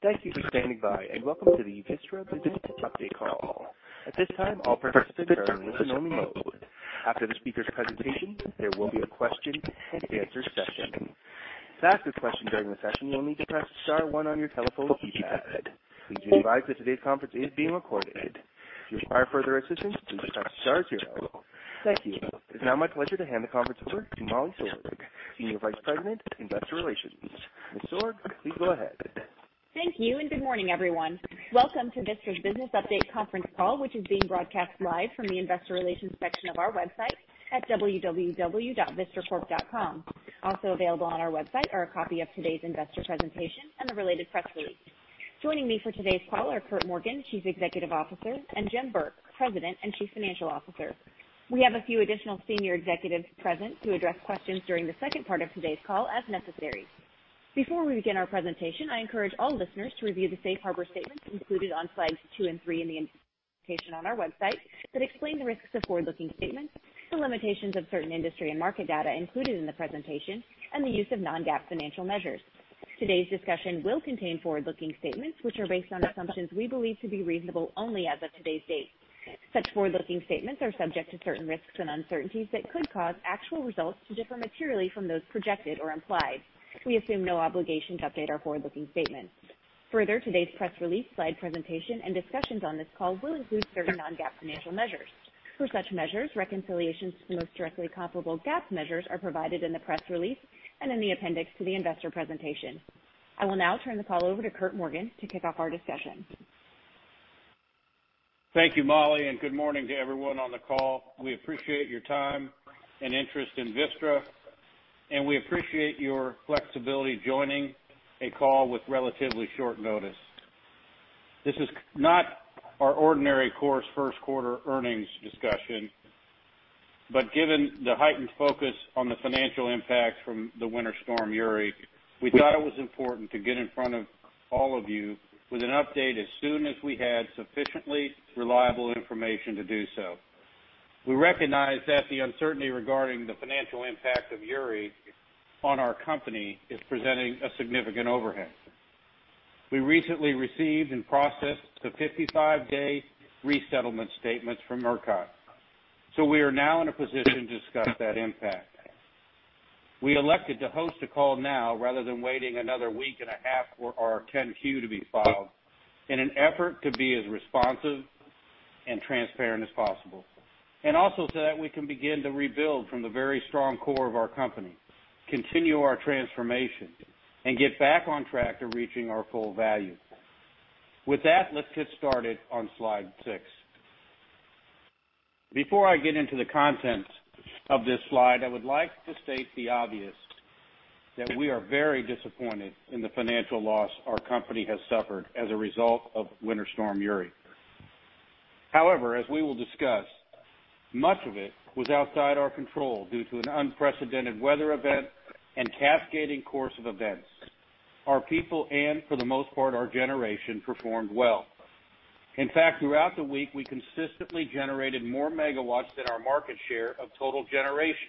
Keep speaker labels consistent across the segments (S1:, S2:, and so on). S1: Thank you for standing by and welcome to the Vistra business update call. At this time, all participants are in listen only mode. After the speaker's presentation, there will be a question and answer session. To ask a question during the session, you'll need to press star one on your telephone keypad. Please be advised that today's conference is being recorded. You require further assistance please press star zero. Thank you. It's now my pleasure to hand the conference over to Molly Sorg, Senior Vice President of Investor Relations. Ms. Sorg, please go ahead.
S2: Thank you. Good morning, everyone. Welcome to Vistra's Business Update conference call, which is being broadcast live from the investor relations section of our website at www.vistracorp.com. Available on our website are a copy of today's investor presentation and the related press release. Joining me for today's call are Curt Morgan, Chief Executive Officer, and Jim Burke, President and Chief Financial Officer. We have a few additional senior executives present to address questions during the second part of today's call as necessary. Before we begin our presentation, I encourage all listeners to review the safe harbor statements included on slides two and three in the presentation on our website that explain the risks of forward-looking statements, the limitations of certain industry and market data included in the presentation, and the use of non-GAAP financial measures. Today's discussion will contain forward-looking statements, which are based on assumptions we believe to be reasonable only as of today's date. Such forward-looking statements are subject to certain risks and uncertainties that could cause actual results to differ materially from those projected or implied. We assume no obligation to update our forward-looking statements. Further, today's press release, slide presentation, and discussions on this call will include certain non-GAAP financial measures. For such measures, reconciliations to the most directly comparable GAAP measures are provided in the press release and in the appendix to the investor presentation. I will now turn the call over to Curt Morgan to kick off our discussion.
S3: Thank you, Molly, good morning to everyone on the call. We appreciate your time and interest in Vistra, and we appreciate your flexibility joining a call with relatively short notice. This is not our ordinary course first quarter earnings discussion, but given the heightened focus on the financial impact from the Winter Storm Uri, we thought it was important to get in front of all of you with an update as soon as we had sufficiently reliable information to do so. We recognize that the uncertainty regarding the financial impact of Uri on our company is presenting a significant overhead. We recently received and processed the 55-day resettlement statements from ERCOT, so we are now in a position to discuss that impact. We elected to host a call now rather than waiting another week and a half for our 10-Q to be filed in an effort to be as responsive and transparent as possible, and also so that we can begin to rebuild from the very strong core of our company, continue our transformation, and get back on track to reaching our full value. With that, let's get started on slide six. Before I get into the content of this slide, I would like to state the obvious, that we are very disappointed in the financial loss our company has suffered as a result of Winter Storm Uri. As we will discuss, much of it was outside our control due to an unprecedented weather event and cascading course of events. Our people and, for the most part, our generation performed well. In fact, throughout the week, we consistently generated more megawatts than our market share of total generation.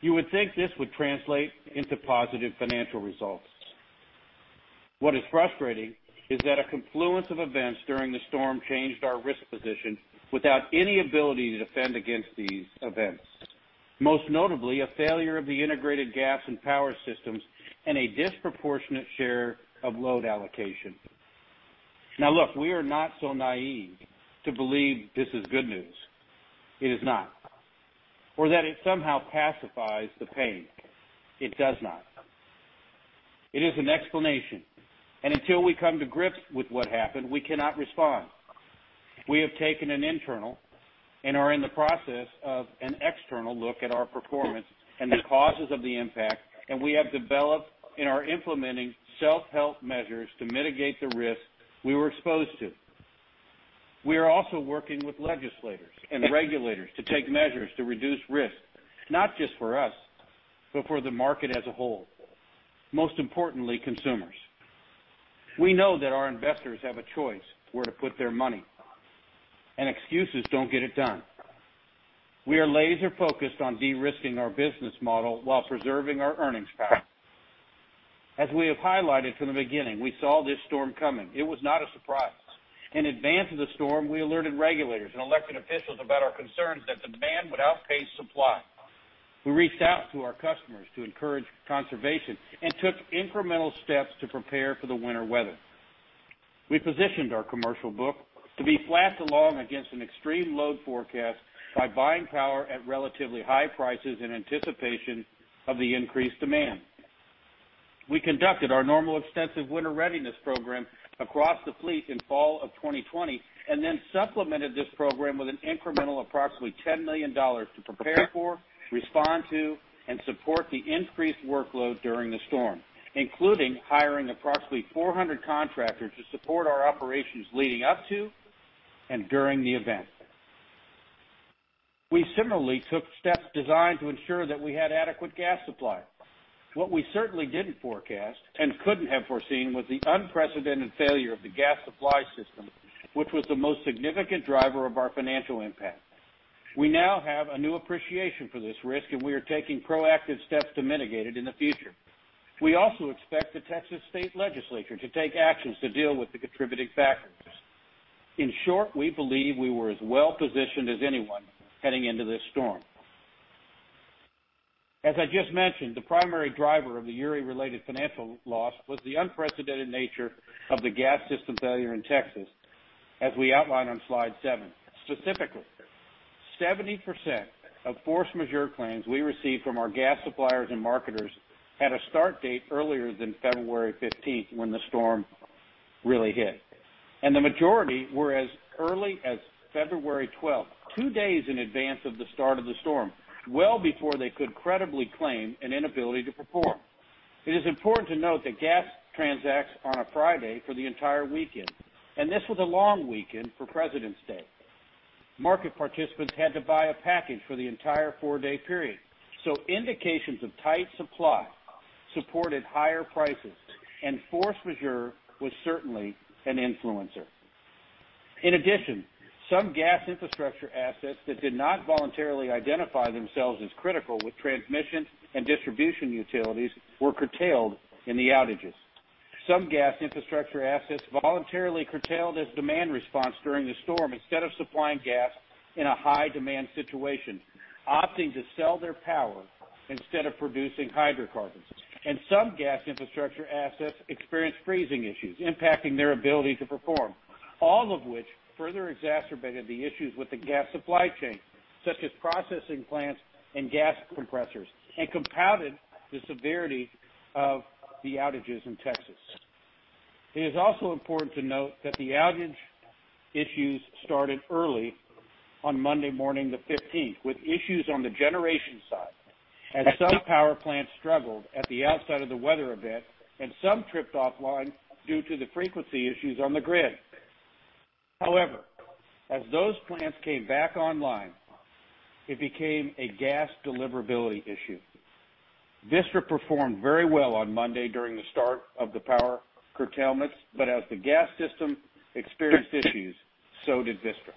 S3: You would think this would translate into positive financial results. What is frustrating is that a confluence of events during the storm changed our risk position without any ability to defend against these events. Most notably, a failure of the integrated gas and power systems and a disproportionate share of load allocation. Look, we are not so naive to believe this is good news. It is not. Or that it somehow pacifies the pain. It does not. It is an explanation, and until we come to grips with what happened, we cannot respond. We have taken an internal and are in the process of an external look at our performance and the causes of the impact, and we have developed and are implementing self-help measures to mitigate the risks we were exposed to. We are also working with legislators and regulators to take measures to reduce risk, not just for us, but for the market as a whole, most importantly, consumers. We know that our investors have a choice where to put their money, and excuses don't get it done. We are laser-focused on de-risking our business model while preserving our earnings power. As we have highlighted from the beginning, we saw this storm coming. It was not a surprise. In advance of the storm, we alerted regulators and elected officials about our concerns that demand would outpace supply. We reached out to our customers to encourage conservation and took incremental steps to prepare for the winter weather. We positioned our commercial book to be flat to long against an extreme load forecast by buying power at relatively high prices in anticipation of the increased demand. We conducted our normal extensive winter readiness program across the fleet in fall of 2020, and then supplemented this program with an incremental approximately $10 million to prepare for, respond to, and support the increased workload during the storm, including hiring approximately 400 contractors to support our operations leading up to and during the event. We similarly took steps designed to ensure that we had adequate gas supply. What we certainly didn't forecast and couldn't have foreseen was the unprecedented failure of the gas supply system, which was the most significant driver of our financial impact. We now have a new appreciation for this risk, and we are taking proactive steps to mitigate it in the future. We also expect the Texas Legislature to take actions to deal with the contributing factors. In short, we believe we were as well-positioned as anyone heading into this storm. As I just mentioned, the primary driver of the Uri-related financial loss was the unprecedented nature of the gas system failure in Texas, as we outline on slide seven. Specifically, 70% of force majeure claims we received from our gas suppliers and marketers had a start date earlier than February 15th, when the storm really hit. The majority were as early as February 12th, two days in advance of the start of the storm, well before they could credibly claim an inability to perform. It is important to note that gas transacts on a Friday for the entire weekend, and this was a long weekend for Presidents' Day. Market participants had to buy a package for the entire four-day period. Indications of tight supply supported higher prices, and force majeure was certainly an influencer. In addition, some gas infrastructure assets that did not voluntarily identify themselves as critical with transmission and distribution utilities were curtailed in the outages. Some gas infrastructure assets voluntarily curtailed as demand response during the storm instead of supplying gas in a high-demand situation, opting to sell their power instead of producing hydrocarbons. Some gas infrastructure assets experienced freezing issues impacting their ability to perform, all of which further exacerbated the issues with the gas supply chain, such as processing plants and gas compressors, and compounded the severity of the outages in Texas. It is also important to note that the outage issues started early on Monday morning the 15th, with issues on the generation side, as some power plants struggled at the outset of the weather event and some tripped offline due to the frequency issues on the grid. As those plants came back online, it became a gas deliverability issue. Vistra performed very well on Monday during the start of the power curtailments, but as the gas system experienced issues, so did Vistra.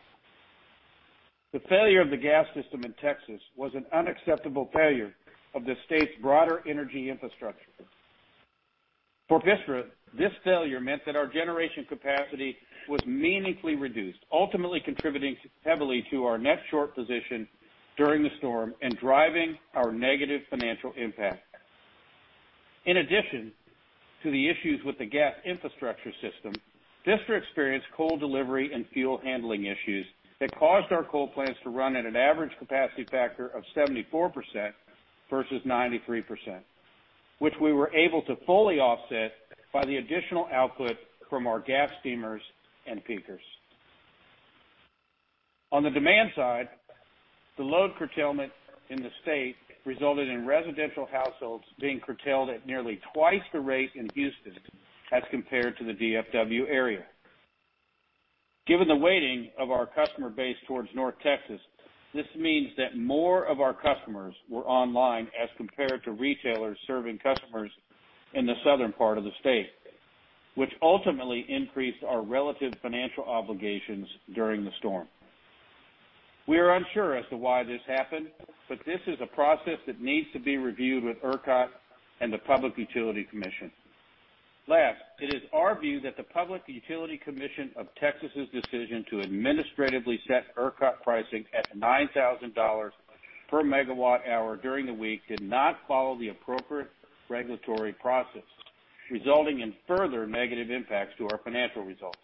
S3: The failure of the gas system in Texas was an unacceptable failure of the state's broader energy infrastructure. For Vistra, this failure meant that our generation capacity was meaningfully reduced, ultimately contributing heavily to our net short position during the storm and driving our negative financial impact. In addition to the issues with the gas infrastructure system, Vistra experienced coal delivery and fuel handling issues that caused our coal plants to run at an average capacity factor of 74% versus 93%, which we were able to fully offset by the additional output from our gas steamers and peakers. On the demand side, the load curtailment in the state resulted in residential households being curtailed at nearly twice the rate in Houston as compared to the D.F.W. area. Given the weighting of our customer base towards North Texas, this means that more of our customers were online as compared to retailers serving customers in the southern part of the state, which ultimately increased our relative financial obligations during the storm. We are unsure as to why this happened, but this is a process that needs to be reviewed with ERCOT and the Public Utility Commission. Last, it is our view that the Public Utility Commission of Texas's decision to administratively set ERCOT pricing at $9,000 MWh during the week did not follow the appropriate regulatory process, resulting in further negative impacts to our financial results.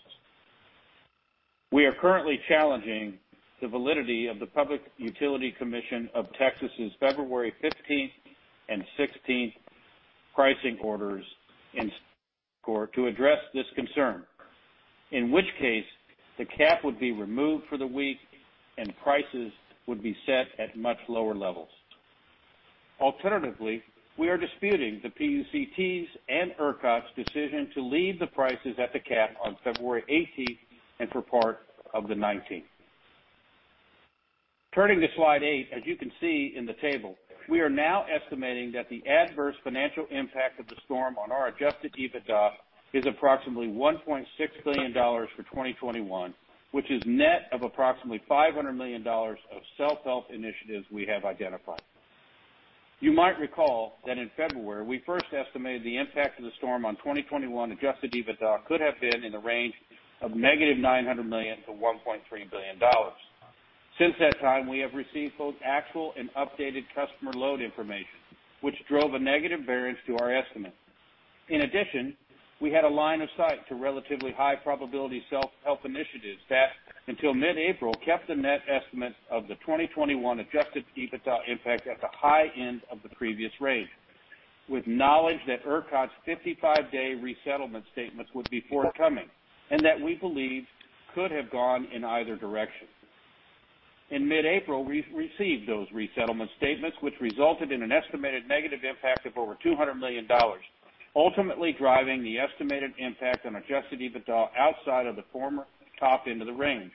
S3: We are currently challenging the validity of the Public Utility Commission of Texas's February 15th and 16th pricing orders in court to address this concern, in which case the cap would be removed for the week and prices would be set at much lower levels. Alternatively, we are disputing the PUCT's and ERCOT's decision to leave the prices at the cap on February 18th and for part of the 19th. Turning to slide eight, as you can see in the table, we are now estimating that the adverse financial impact of the storm on our Adjusted EBITDA is approximately $1.6 billion for 2021, which is net of approximately $500 million of self-help initiatives we have identified. You might recall that in February, we first estimated the impact of the storm on 2021 Adjusted EBITDA could have been in the range of -$900 million-$1.3 billion. Since that time, we have received both actual and updated customer load information, which drove a negative variance to our estimate. In addition, we had a line of sight to relatively high-probability self-help initiatives that, until mid-April, kept the net estimate of the 2021 Adjusted EBITDA impact at the high end of the previous range. With knowledge that ERCOT's 55-day resettlement statements would be forthcoming and that we believed could have gone in either direction, in mid-April, we received those resettlement statements, which resulted in an estimated negative impact of over $200 million, ultimately driving the estimated impact on Adjusted EBITDA outside of the former top end of the range.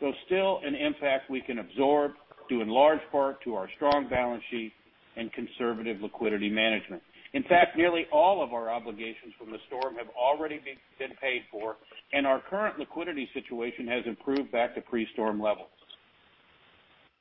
S3: Though still an impact we can absorb. Due in large part to our strong balance sheet and conservative liquidity management. In fact, nearly all of our obligations from the storm have already been paid for, and our current liquidity situation has improved back to pre-storm levels.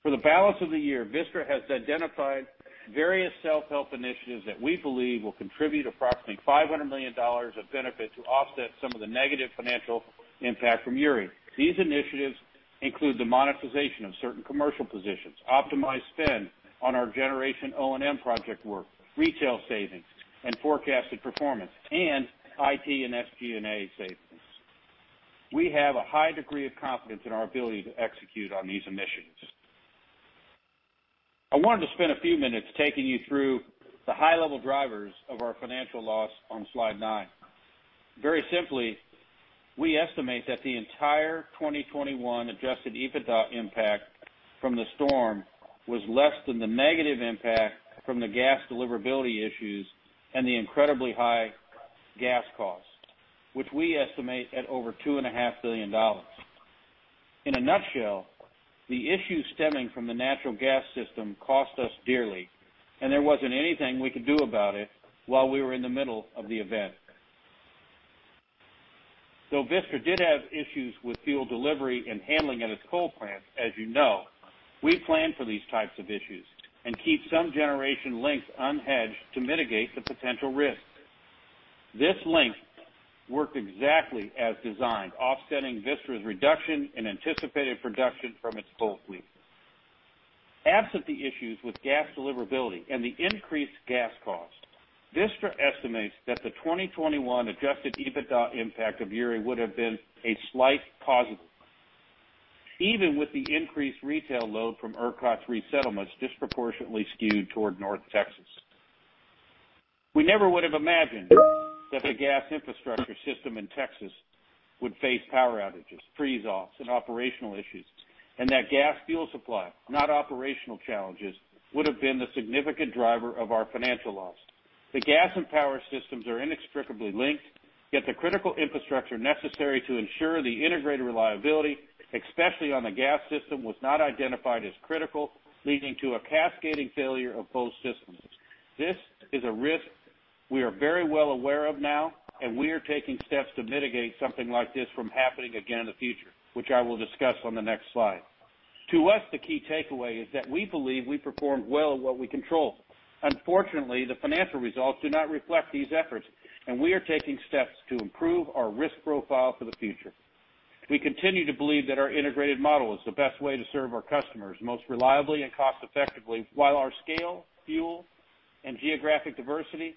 S3: For the balance of the year, Vistra has identified various self-help initiatives that we believe will contribute approximately $500 million of benefit to offset some of the negative financial impact from Uri. These initiatives include the monetization of certain commercial positions, optimized spend on our generation O&M project work, retail savings and forecasted performance, and IT and SG&A savings. We have a high degree of confidence in our ability to execute on these initiatives. I wanted to spend a few minutes taking you through the high-level drivers of our financial loss on slide nine. Very simply, we estimate that the entire 2021 Adjusted EBITDA impact from the storm was less than the negative impact from the gas deliverability issues and the incredibly high gas costs, which we estimate at over $2.5 billion. In a nutshell, the issues stemming from the natural gas system cost us dearly, and there wasn't anything we could do about it while we were in the middle of the event. Though Vistra did have issues with fuel delivery and handling at its coal plants, as you know, we plan for these types of issues and keep some generation length unhedged to mitigate the potential risks. This length worked exactly as designed, offsetting Vistra's reduction in anticipated production from its coal fleet. Absent the issues with gas deliverability and the increased gas cost, Vistra estimates that the 2021 Adjusted EBITDA impact of Uri would have been a slight positive, even with the increased retail load from ERCOT's resettlements disproportionately skewed toward North Texas. We never would have imagined that the gas infrastructure system in Texas would face power outages, freeze-offs, and operational issues, and that gas fuel supply, not operational challenges, would have been the significant driver of our financial loss. The gas and power systems are inextricably linked, yet the critical infrastructure necessary to ensure the integrated reliability, especially on the gas system, was not identified as critical, leading to a cascading failure of both systems. This is a risk we are very well aware of now, and we are taking steps to mitigate something like this from happening again in the future, which I will discuss on the next slide. To us, the key takeaway is that we believe we performed well in what we control. Unfortunately, the financial results do not reflect these efforts, and we are taking steps to improve our risk profile for the future. We continue to believe that our integrated model is the best way to serve our customers most reliably and cost effectively, while our scale, fuel, and geographic diversity,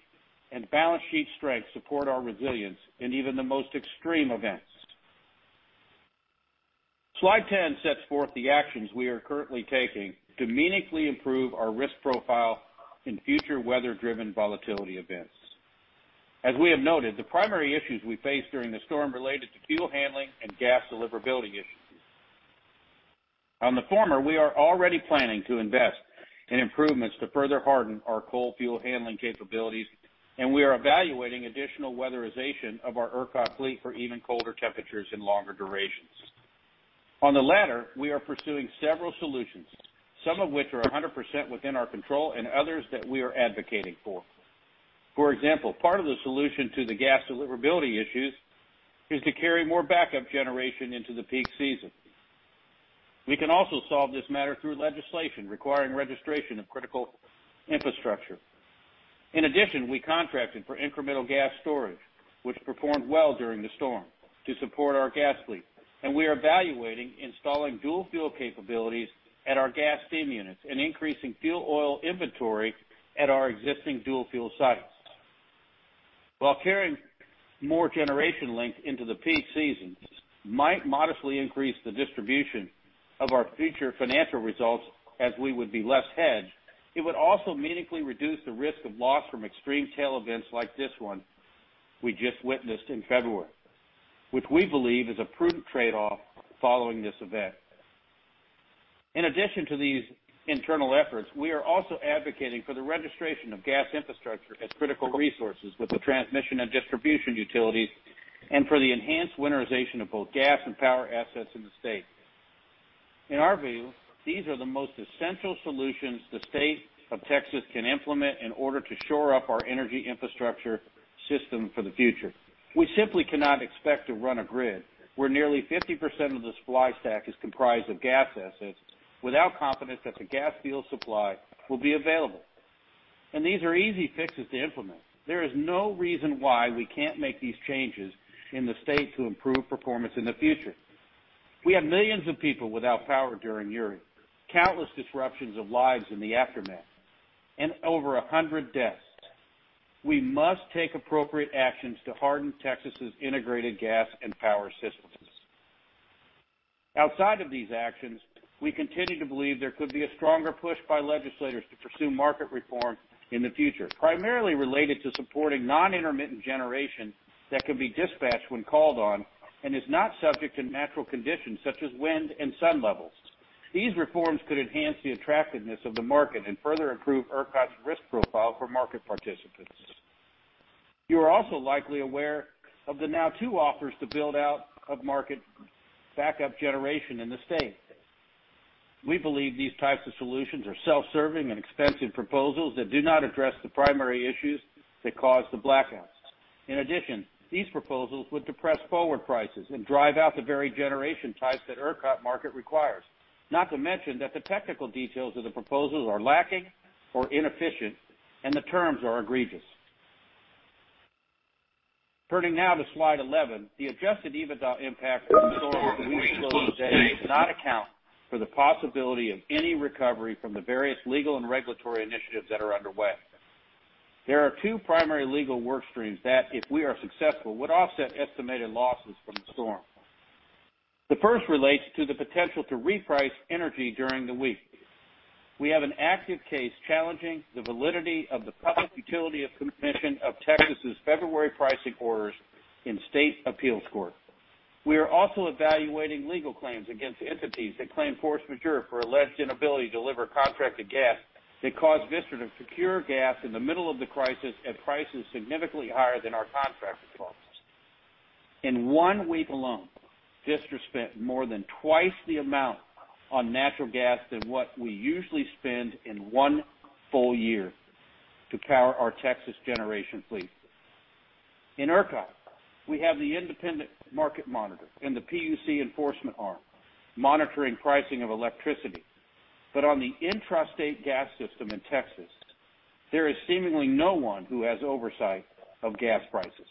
S3: and balance sheet strength support our resilience in even the most extreme events. Slide 10 sets forth the actions we are currently taking to meaningfully improve our risk profile in future weather-driven volatility events. As we have noted, the primary issues we face during the storm related to fuel handling and gas deliverability issues. On the former, we are already planning to invest in improvements to further harden our coal fuel handling capabilities, and we are evaluating additional weatherization of our ERCOT fleet for even colder temperatures and longer durations. On the latter, we are pursuing several solutions, some of which are 100% within our control and others that we are advocating for. For example, part of the solution to the gas deliverability issues is to carry more backup generation into the peak season. We can also solve this matter through legislation requiring registration of critical infrastructure. In addition, we contracted for incremental gas storage, which performed well during the storm to support our gas fleet, and we are evaluating installing dual-fuel capabilities at our gas steam units and increasing fuel oil inventory at our existing dual-fuel sites. While carrying more generation length into the peak seasons might modestly increase the distribution of our future financial results as we would be less hedged, it would also meaningfully reduce the risk of loss from extreme tail events like this one we just witnessed in February, which we believe is a prudent trade-off following this event. In addition to these internal efforts, we are also advocating for the registration of gas infrastructure as critical resources with the transmission and distribution utilities and for the enhanced winterization of both gas and power assets in the state. In our view, these are the most essential solutions the state of Texas can implement in order to shore up our energy infrastructure system for the future. We simply cannot expect to run a grid where nearly 50% of the supply stack is comprised of gas assets without confidence that the gas fuel supply will be available. These are easy fixes to implement. There is no reason why we can't make these changes in the state to improve performance in the future. We had millions of people without power during Uri, countless disruptions of lives in the aftermath, and over 100 deaths. We must take appropriate actions to harden Texas's integrated gas and power systems. Outside of these actions, we continue to believe there could be a stronger push by legislators to pursue market reform in the future, primarily related to supporting non-intermittent generation that can be dispatched when called on and is not subject to natural conditions such as wind and sun levels. These reforms could enhance the attractiveness of the market and further improve ERCOT's risk profile for market participants. You are also likely aware of the now two offers to build out of market backup generation in the state. We believe these types of solutions are self-serving and expensive proposals that do not address the primary issues that cause the blackouts. In addition, these proposals would depress forward prices and drive out the very generation types that ERCOT market requires. Not to mention that the technical details of the proposals are lacking or inefficient, and the terms are egregious. Turning now to slide 11, the Adjusted EBITDA impact of the storm that we show today does not account for the possibility of any recovery from the various legal and regulatory initiatives that are underway. There are two primary legal workstreams that, if we are successful, would offset estimated losses from the storm. The first relates to the potential to reprice energy during the week. We have an active case challenging the validity of the Public Utility Commission of Texas' February pricing orders in state appeals court. We are also evaluating legal claims against entities that claim force majeure for alleged inability to deliver contracted gas that caused Vistra to secure gas in the middle of the crisis at prices significantly higher than our contracted volumes. In one week alone, Vistra spent more than twice the amount on natural gas than what we usually spend in one full year to power our Texas generation fleet. In ERCOT, we have the independent market monitor and the PUC enforcement arm monitoring pricing of electricity. On the intrastate gas system in Texas, there is seemingly no one who has oversight of gas prices.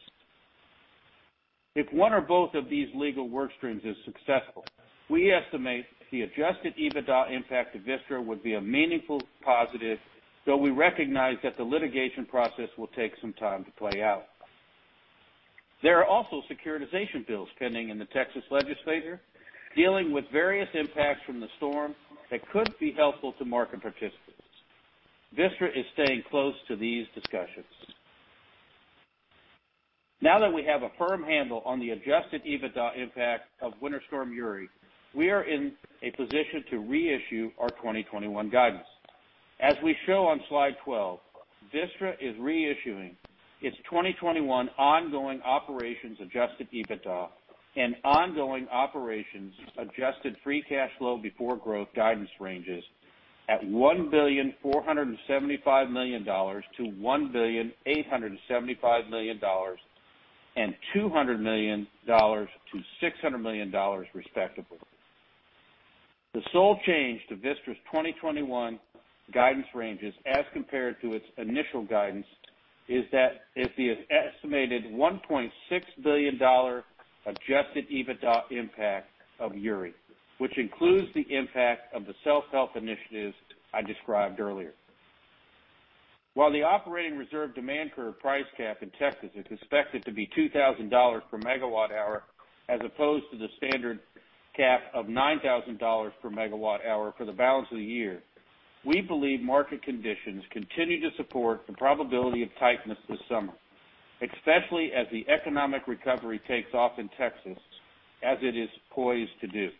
S3: If one or both of these legal workstreams is successful, we estimate the Adjusted EBITDA impact to Vistra would be a meaningful positive, though we recognize that the litigation process will take some time to play out. There are also securitization bills pending in the Texas Legislature, dealing with various impacts from the storm that could be helpful to market participants. Vistra is staying close to these discussions. Now that we have a firm handle on the Adjusted EBITDA impact of Winter Storm Uri, we are in a position to reissue our 2021 guidance. As we show on slide 12, Vistra is reissuing its 2021 ongoing operations Adjusted EBITDA and ongoing operations adjusted free cash flow before growth guidance ranges at $1,475 million-$1,875 million and $200 million-$600 million respectively. The sole change to Vistra's 2021 guidance ranges as compared to its initial guidance is that it is estimated $1.6 billion Adjusted EBITDA impact of Uri, which includes the impact of the self-help initiatives I described earlier. While the operating reserve demand curve price cap in Texas is expected to be $2,000 MWh as opposed to the standard cap of $9,000 MWh for the balance of the year, we believe market conditions continue to support the probability of tightness this summer, especially as the economic recovery takes off in Texas as it is poised to do.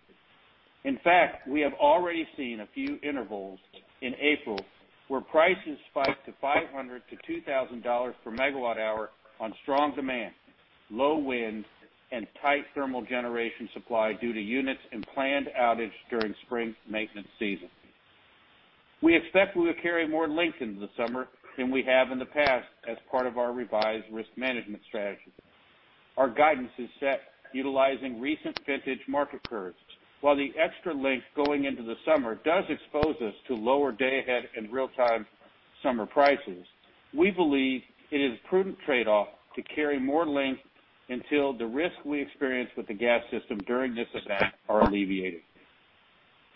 S3: In fact, we have already seen a few intervals in April where prices spiked to $500-$2,000 MWh on strong demand, low wind, and tight thermal generation supply due to units and planned outage during spring maintenance season. We expect we will carry more length into the summer than we have in the past as part of our revised risk management strategy. Our guidance is set utilizing recent vintage market curves. While the extra length going into the summer does expose us to lower day-ahead and real-time summer prices, we believe it is a prudent trade-off to carry more length until the risk we experience with the gas system during this event are alleviated.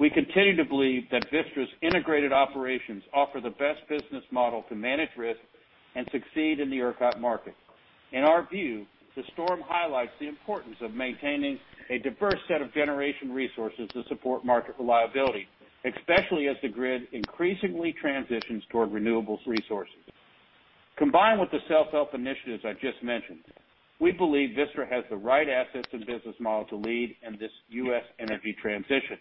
S3: We continue to believe that Vistra's integrated operations offer the best business model to manage risk and succeed in the ERCOT market. In our view, the storm highlights the importance of maintaining a diverse set of generation resources to support market reliability, especially as the grid increasingly transitions toward renewables resources. Combined with the self-help initiatives I just mentioned, we believe Vistra has the right assets and business model to lead in this U.S. energy transition.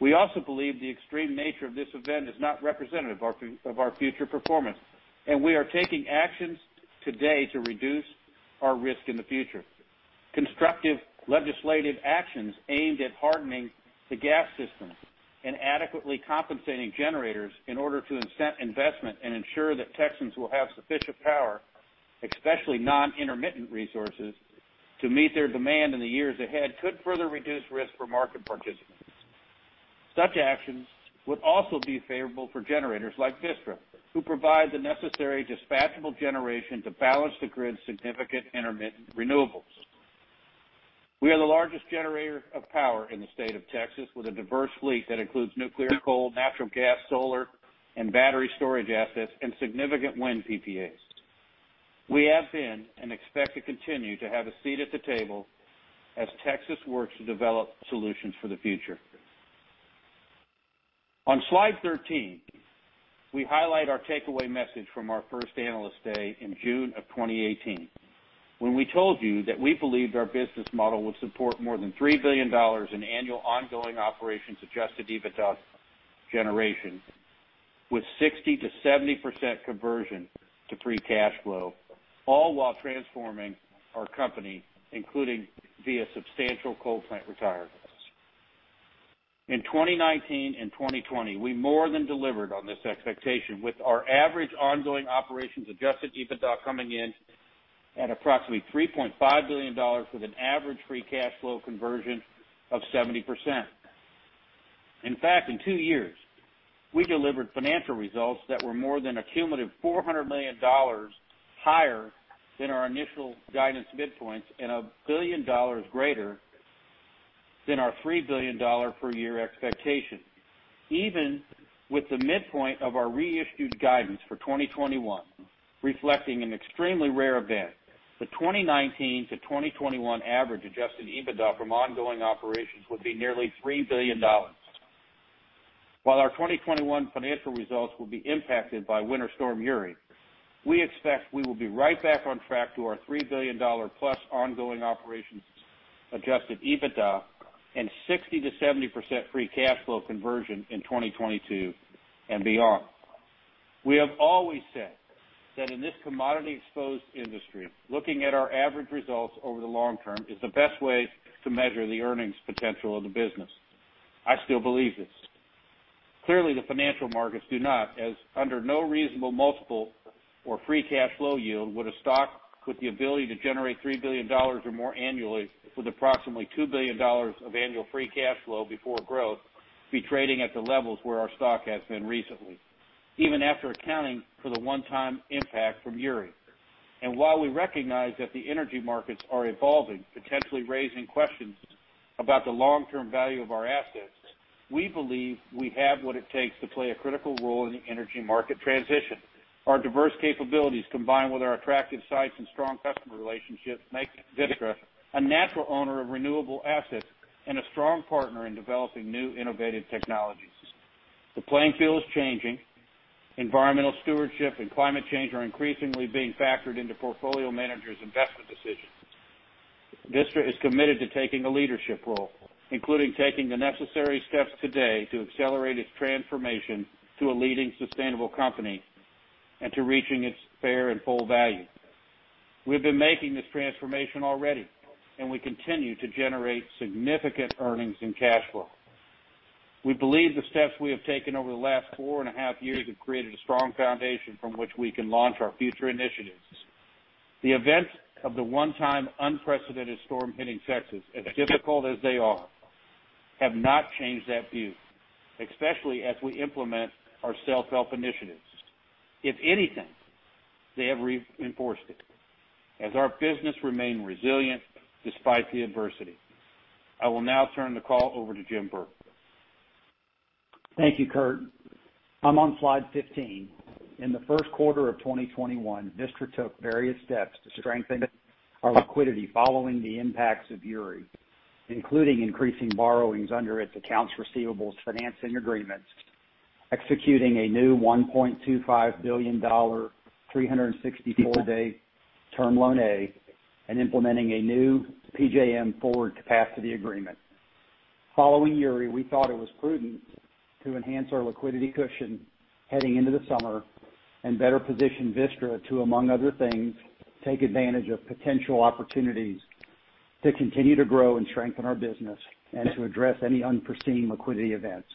S3: We also believe the extreme nature of this event is not representative of our future performance, and we are taking actions today to reduce our risk in the future. Constructive legislative actions aimed at hardening the gas systems and adequately compensating generators in order to incent investment and ensure that Texans will have sufficient power, especially non-intermittent resources to meet their demand in the years ahead could further reduce risk for market participants. Such actions would also be favorable for generators like Vistra, who provide the necessary dispatchable generation to balance the grid's significant intermittent renewables. We are the largest generator of power in the state of Texas, with a diverse fleet that includes nuclear, coal, natural gas, solar, and battery storage assets, and significant wind PPAs. We have been and expect to continue to have a seat at the table as Texas works to develop solutions for the future. On slide 13, we highlight our takeaway message from our first Analyst Day in June of 2018, when we told you that we believed our business model would support more than $3 billion in annual ongoing operations Adjusted EBITDA generation with 60%-70% conversion to free cash flow, all while transforming our company, including via substantial coal plant retirements. In 2019 and 2020, we more than delivered on this expectation with our average ongoing operations Adjusted EBITDA coming in at approximately $3.5 billion with an average free cash flow conversion of 70%. In fact, in two years, we delivered financial results that were more than a cumulative $400 million higher than our initial guidance midpoints and $1 billion greater than our $3 billion per year expectation. Even with the midpoint of our reissued guidance for 2021 reflecting an extremely rare event, the 2019-2021 average Adjusted EBITDA from ongoing operations would be nearly $3 billion. While our 2021 financial results will be impacted by Winter Storm Uri, we expect we will be right back on track to our $3 billion-plus ongoing operations Adjusted EBITDA and 60%-70% free cash flow conversion in 2022 and beyond. We have always said that in this commodity-exposed industry, looking at our average results over the long term is the best way to measure the earnings potential of the business. I still believe this. Clearly, the financial markets do not, as under no reasonable multiple or free cash flow yield would a stock with the ability to generate $3 billion or more annually with approximately $2 billion of annual free cash flow before growth be trading at the levels where our stock has been recently, even after accounting for the one-time impact from Uri. While we recognize that the energy markets are evolving, potentially raising questions about the long-term value of our assets, we believe we have what it takes to play a critical role in the energy market transition. Our diverse capabilities, combined with our attractive sites and strong customer relationships, make Vistra a natural owner of renewable assets and a strong partner in developing new innovative technologies. The playing field is changing. Environmental stewardship and climate change are increasingly being factored into portfolio managers' investment decisions. Vistra is committed to taking a leadership role, including taking the necessary steps today to accelerate its transformation to a leading sustainable company and to reaching its fair and full value. We've been making this transformation already, and we continue to generate significant earnings and cash flow. We believe the steps we have taken over the last four and a half years have created a strong foundation from which we can launch our future initiatives. The events of the one-time unprecedented storm hitting Texas, as difficult as they are, have not changed that view, especially as we implement our self-help initiatives. If anything, they have reinforced it as our business remained resilient despite the adversity. I will now turn the call over to Jim Burke.
S4: Thank you, Curt. I'm on slide 15. In the first quarter of 2021, Vistra took various steps to strengthen our liquidity following the impacts of Uri, including increasing borrowings under its accounts receivables financing agreements, executing a new $1.25 billion 364-day term loan A, and implementing a new PJM forward capacity agreement. Following Uri, we thought it was prudent to enhance our liquidity cushion heading into the summer and better position Vistra to, among other things, take advantage of potential opportunities to continue to grow and strengthen our business and to address any unforeseen liquidity events.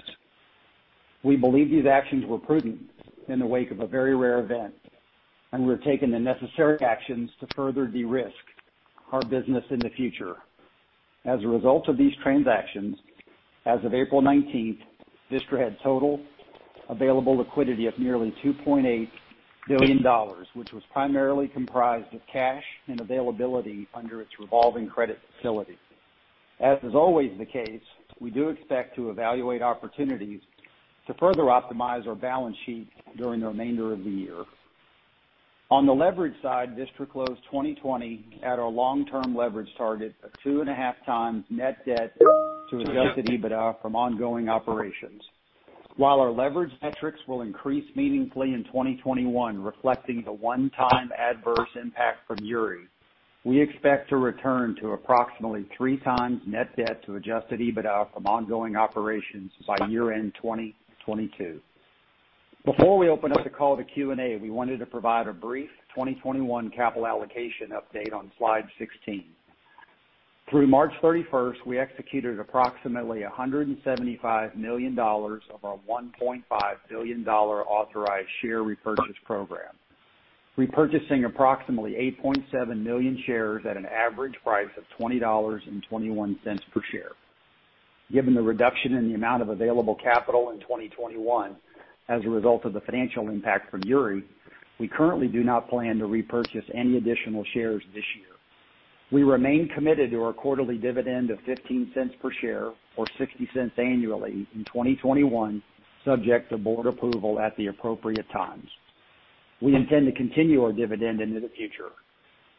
S4: We believe these actions were prudent in the wake of a very rare event, and we're taking the necessary actions to further de-risk our business in the future. As a result of these transactions, as of April 19th, Vistra had total available liquidity of nearly $2.8 billion, which was primarily comprised of cash and availability under its revolving credit facility. As is always the case, we do expect to evaluate opportunities to further optimize our balance sheet during the remainder of the year. On the leverage side, Vistra closed 2020 at our long-term leverage target of 2.5x net debt to Adjusted EBITDA from ongoing operations. While our leverage metrics will increase meaningfully in 2021, reflecting the one-time adverse impact from Uri, we expect to return to approximately 3x net debt to Adjusted EBITDA from ongoing operations by year-end 2022. Before we open up the call to Q&A, we wanted to provide a brief 2021 capital allocation update on slide 16. Through March 31st, we executed approximately $175 million of our $1.5 billion authorized share repurchase program, repurchasing approximately 8.7 million shares at an average price of $20.21 per share. Given the reduction in the amount of available capital in 2021 as a result of the financial impact from Uri, we currently do not plan to repurchase any additional shares this year. We remain committed to our quarterly dividend of $0.15 per share or $0.60 annually in 2021, subject to board approval at the appropriate times. We intend to continue our dividend into the future.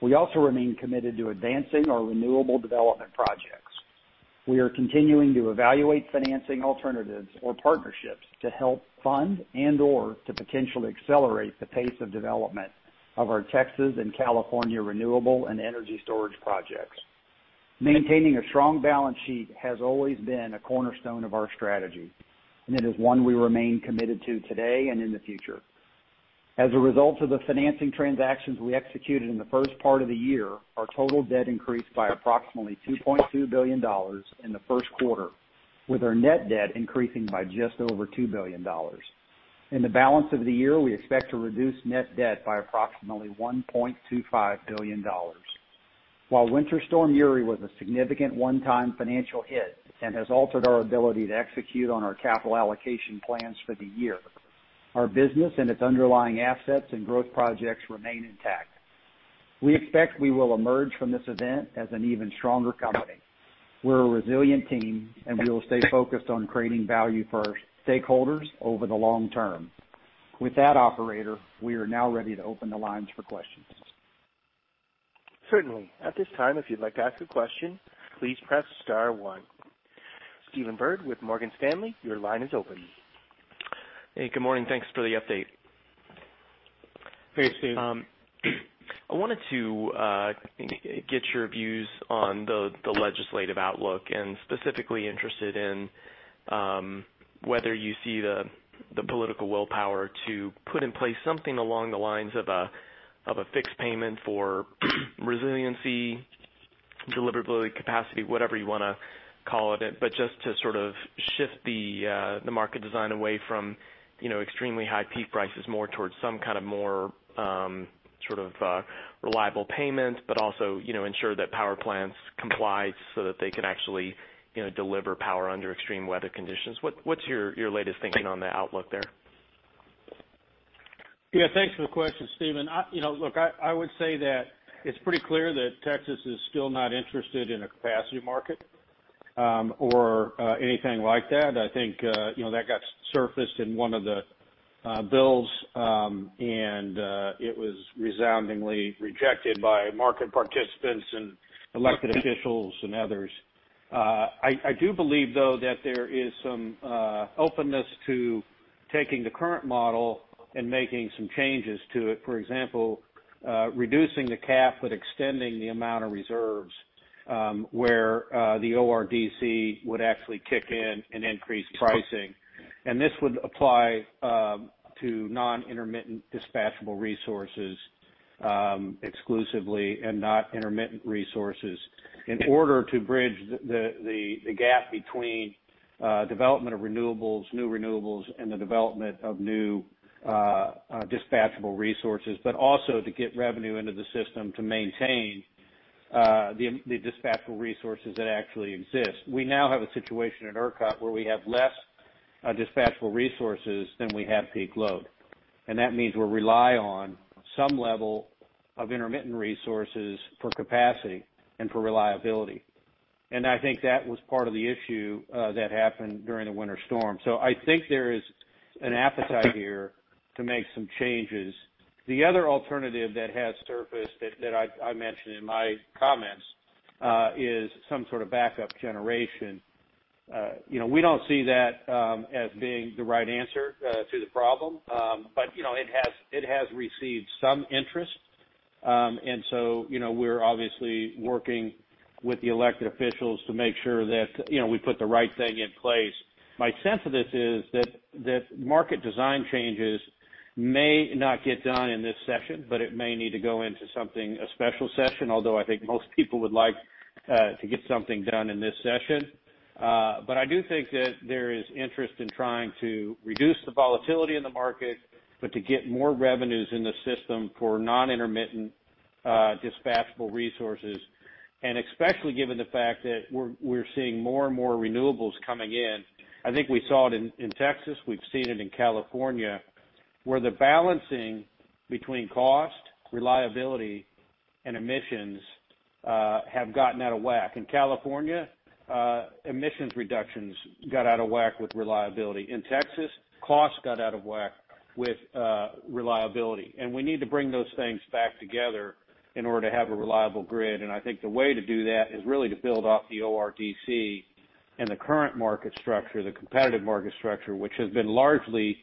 S4: We also remain committed to advancing our renewable development projects. We are continuing to evaluate financing alternatives or partnerships to help fund and/or to potentially accelerate the pace of development of our Texas and California renewable and energy storage projects. Maintaining a strong balance sheet has always been a cornerstone of our strategy. It is one we remain committed to today and in the future. As a result of the financing transactions we executed in the first part of the year, our total debt increased by approximately $2.2 billion in the first quarter, with our net debt increasing by just over $2 billion. In the balance of the year, we expect to reduce net debt by approximately $1.25 billion. While Winter Storm Uri was a significant one-time financial hit and has altered our ability to execute on our capital allocation plans for the year, our business and its underlying assets and growth projects remain intact. We expect we will emerge from this event as an even stronger company. We're a resilient team, and we will stay focused on creating value for our stakeholders over the long term. With that, operator, we are now ready to open the lines for questions.
S1: Certainly. At this time, if you'd like to ask a question, please press star one. Stephen Byrd with Morgan Stanley, your line is open.
S5: Hey, good morning. Thanks for the update.
S4: Hey, Stephen.
S5: I wanted to get your views on the legislative outlook, and specifically interested in whether you see the political willpower to put in place something along the lines of a fixed payment for resiliency, deliverability, capacity, whatever you want to call it. Just to sort of shift the market design away from extremely high peak prices, more towards some kind of more reliable payments, but also ensure that power plants comply so that they can actually deliver power under extreme weather conditions. What's your latest thinking on the outlook there?
S4: Yeah. Thanks for the question, Stephen. Look, I would say that it's pretty clear that Texas is still not interested in a capacity market or anything like that. I think that got surfaced in one of the bills, and it was resoundingly rejected by market participants and elected officials and others. I do believe, though, that there is some openness to taking the current model and making some changes to it. For example reducing the cap, but extending the amount of reserves, where the ORDC would actually kick in and increase pricing. This would apply to non-intermittent dispatchable resources exclusively and not intermittent resources in order to bridge the gap between development of renewables, new renewables, and the development of new dispatchable resources, but also to get revenue into the system to maintain the dispatchable resources that actually exist. We now have a situation at ERCOT where we have less dispatchable resources than we have peak load, that means we rely on some level of intermittent resources for capacity and for reliability. I think that was part of the issue that happened during the winter storm. I think there is an appetite here to make some changes. The other alternative that has surfaced that I mentioned in my comments, is some sort of backup generation. We don't see that as being the right answer to the problem. It has received some interest. We're obviously working with the elected officials to make sure that we put the right thing in place. My sense of this is that market design changes may not get done in this session, but it may need to go into something, a special session. I think most people would like to get something done in this session. I do think that there is interest in trying to reduce the volatility in the market, but to get more revenues in the system for non-intermittent dispatchable resources. Especially given the fact that we're seeing more and more renewables coming in. I think we saw it in Texas. We've seen it in California, where the balancing between cost, reliability, and emissions have gotten out of whack. In California, emissions reductions got out of whack with reliability. In Texas, costs got out of whack with reliability. We need to bring those things back together in order to have a reliable grid. I think the way to do that is really to build off the ORDC and the current market structure, the competitive market structure, which has been largely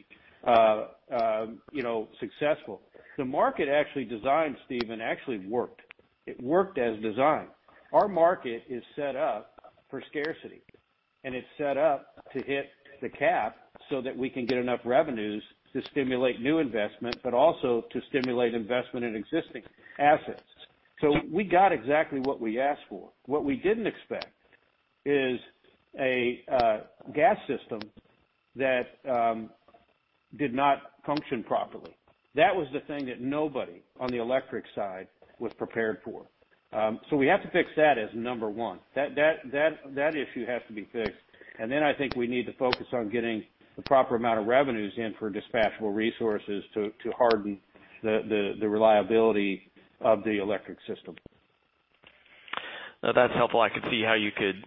S4: successful. The market actually designed, Stephen, actually worked. It worked as designed. Our market is set up for scarcity, and it's set up to hit the cap so that we can get enough revenues to stimulate new investment, but also to stimulate investment in existing assets. We got exactly what we asked for. What we didn't expect is a gas system that did not function properly. That was the thing that nobody on the electric side was prepared for. We have to fix that as number one. That issue has to be fixed. Then I think we need to focus on getting the proper amount of revenues in for dispatchable resources to harden the reliability of the electric system.
S5: That's helpful. I could see how you could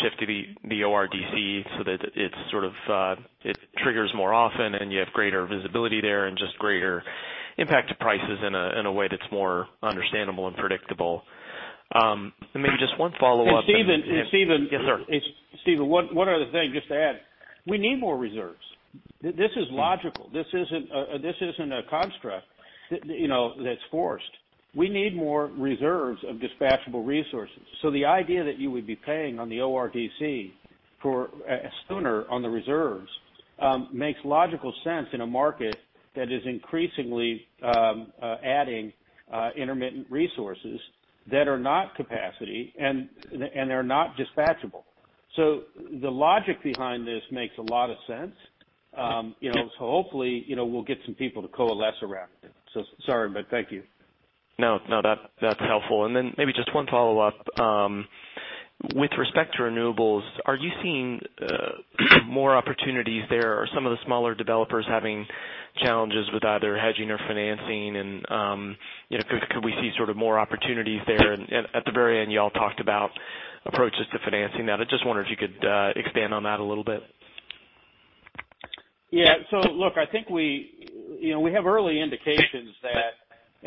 S5: shift the ORDC so that it triggers more often and you have greater visibility there and just greater impact to prices in a way that's more understandable and predictable. Maybe just one follow-up.
S3: Stephen.
S5: Yes, sir.
S3: Stephen, one other thing just to add. We need more reserves. This is logical. This isn't a construct that's forced. We need more reserves of dispatchable resources. The idea that you would be paying on the ORDC sooner on the reserves makes logical sense in a market that is increasingly adding intermittent resources that are not capacity, and they're not dispatchable. The logic behind this makes a lot of sense. Hopefully, we'll get some people to coalesce around it. Sorry, thank you.
S5: No. That's helpful. Maybe just one follow-up. With respect to renewables, are you seeing more opportunities there? Are some of the smaller developers having challenges with either hedging or financing and could we see more opportunities there? At the very end, you all talked about approaches to financing that. I just wondered if you could expand on that a little bit.
S3: Yeah. Look, I think we have early indications that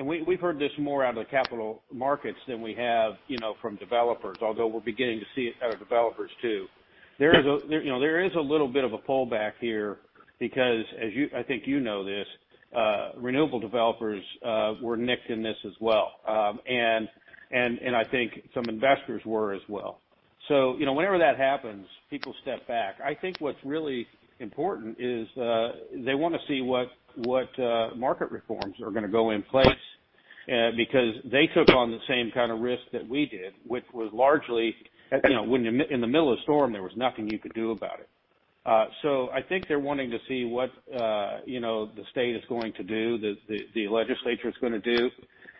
S3: we've heard this more out of the capital markets than we have from developers, although we're beginning to see it out of developers, too. There is a little bit of a pullback here because as I think you know this, renewable developers were nicked in this as well. I think some investors were as well. Whenever that happens, people step back. I think what's really important is they want to see what market reforms are going to go in place, because they took on the same kind of risk that we did, which was largely when in the middle of storm, there was nothing you could do about it. I think they're wanting to see what the State is going to do, the Legislature's going to do.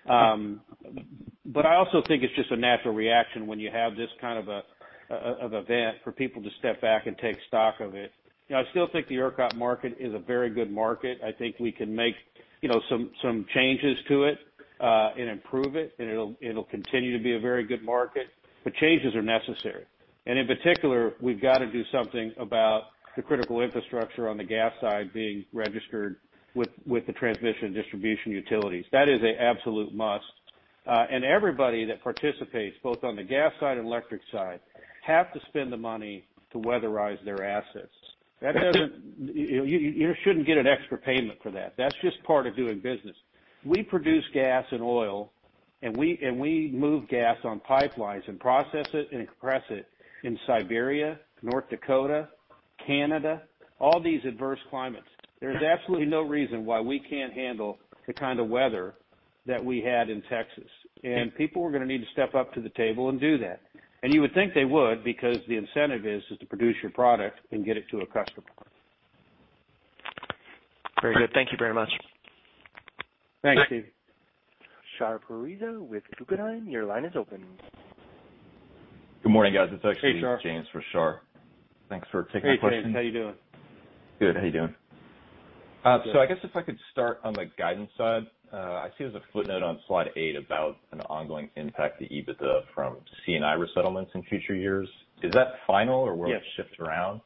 S3: I also think it's just a natural reaction when you have this kind of event for people to step back and take stock of it. I still think the ERCOT market is a very good market. I think we can make some changes to it, and improve it, and it'll continue to be a very good market. Changes are necessary. In particular, we've got to do something about the critical infrastructure on the gas side being registered with the transmission distribution utilities. That is a absolute must. Everybody that participates, both on the gas side and electric side, have to spend the money to weatherize their assets. You shouldn't get an extra payment for that. That's just part of doing business. We produce gas and oil, and we move gas on pipelines and process it and compress it in Siberia, North Dakota, Canada, all these adverse climates. There's absolutely no reason why we can't handle the kind of weather that we had in Texas. People are going to need to step up to the table and do that. You would think they would, because the incentive is to produce your product and get it to a customer.
S5: Very good. Thank you very much.
S3: Thanks, Steve.
S1: Shar Pourreza with Guggenheim, your line is open.
S6: Good morning, guys.
S3: Hey, Shar.
S6: James for Shar. Thanks for taking my question.
S3: Hey, James. How you doing?
S6: Good. How you doing? I guess if I could start on the guidance side. I see there's a footnote on slide eight about an ongoing impact to EBITDA from C&I resettlements in future years. Is that final?
S3: Yes.
S6: Will it shift around?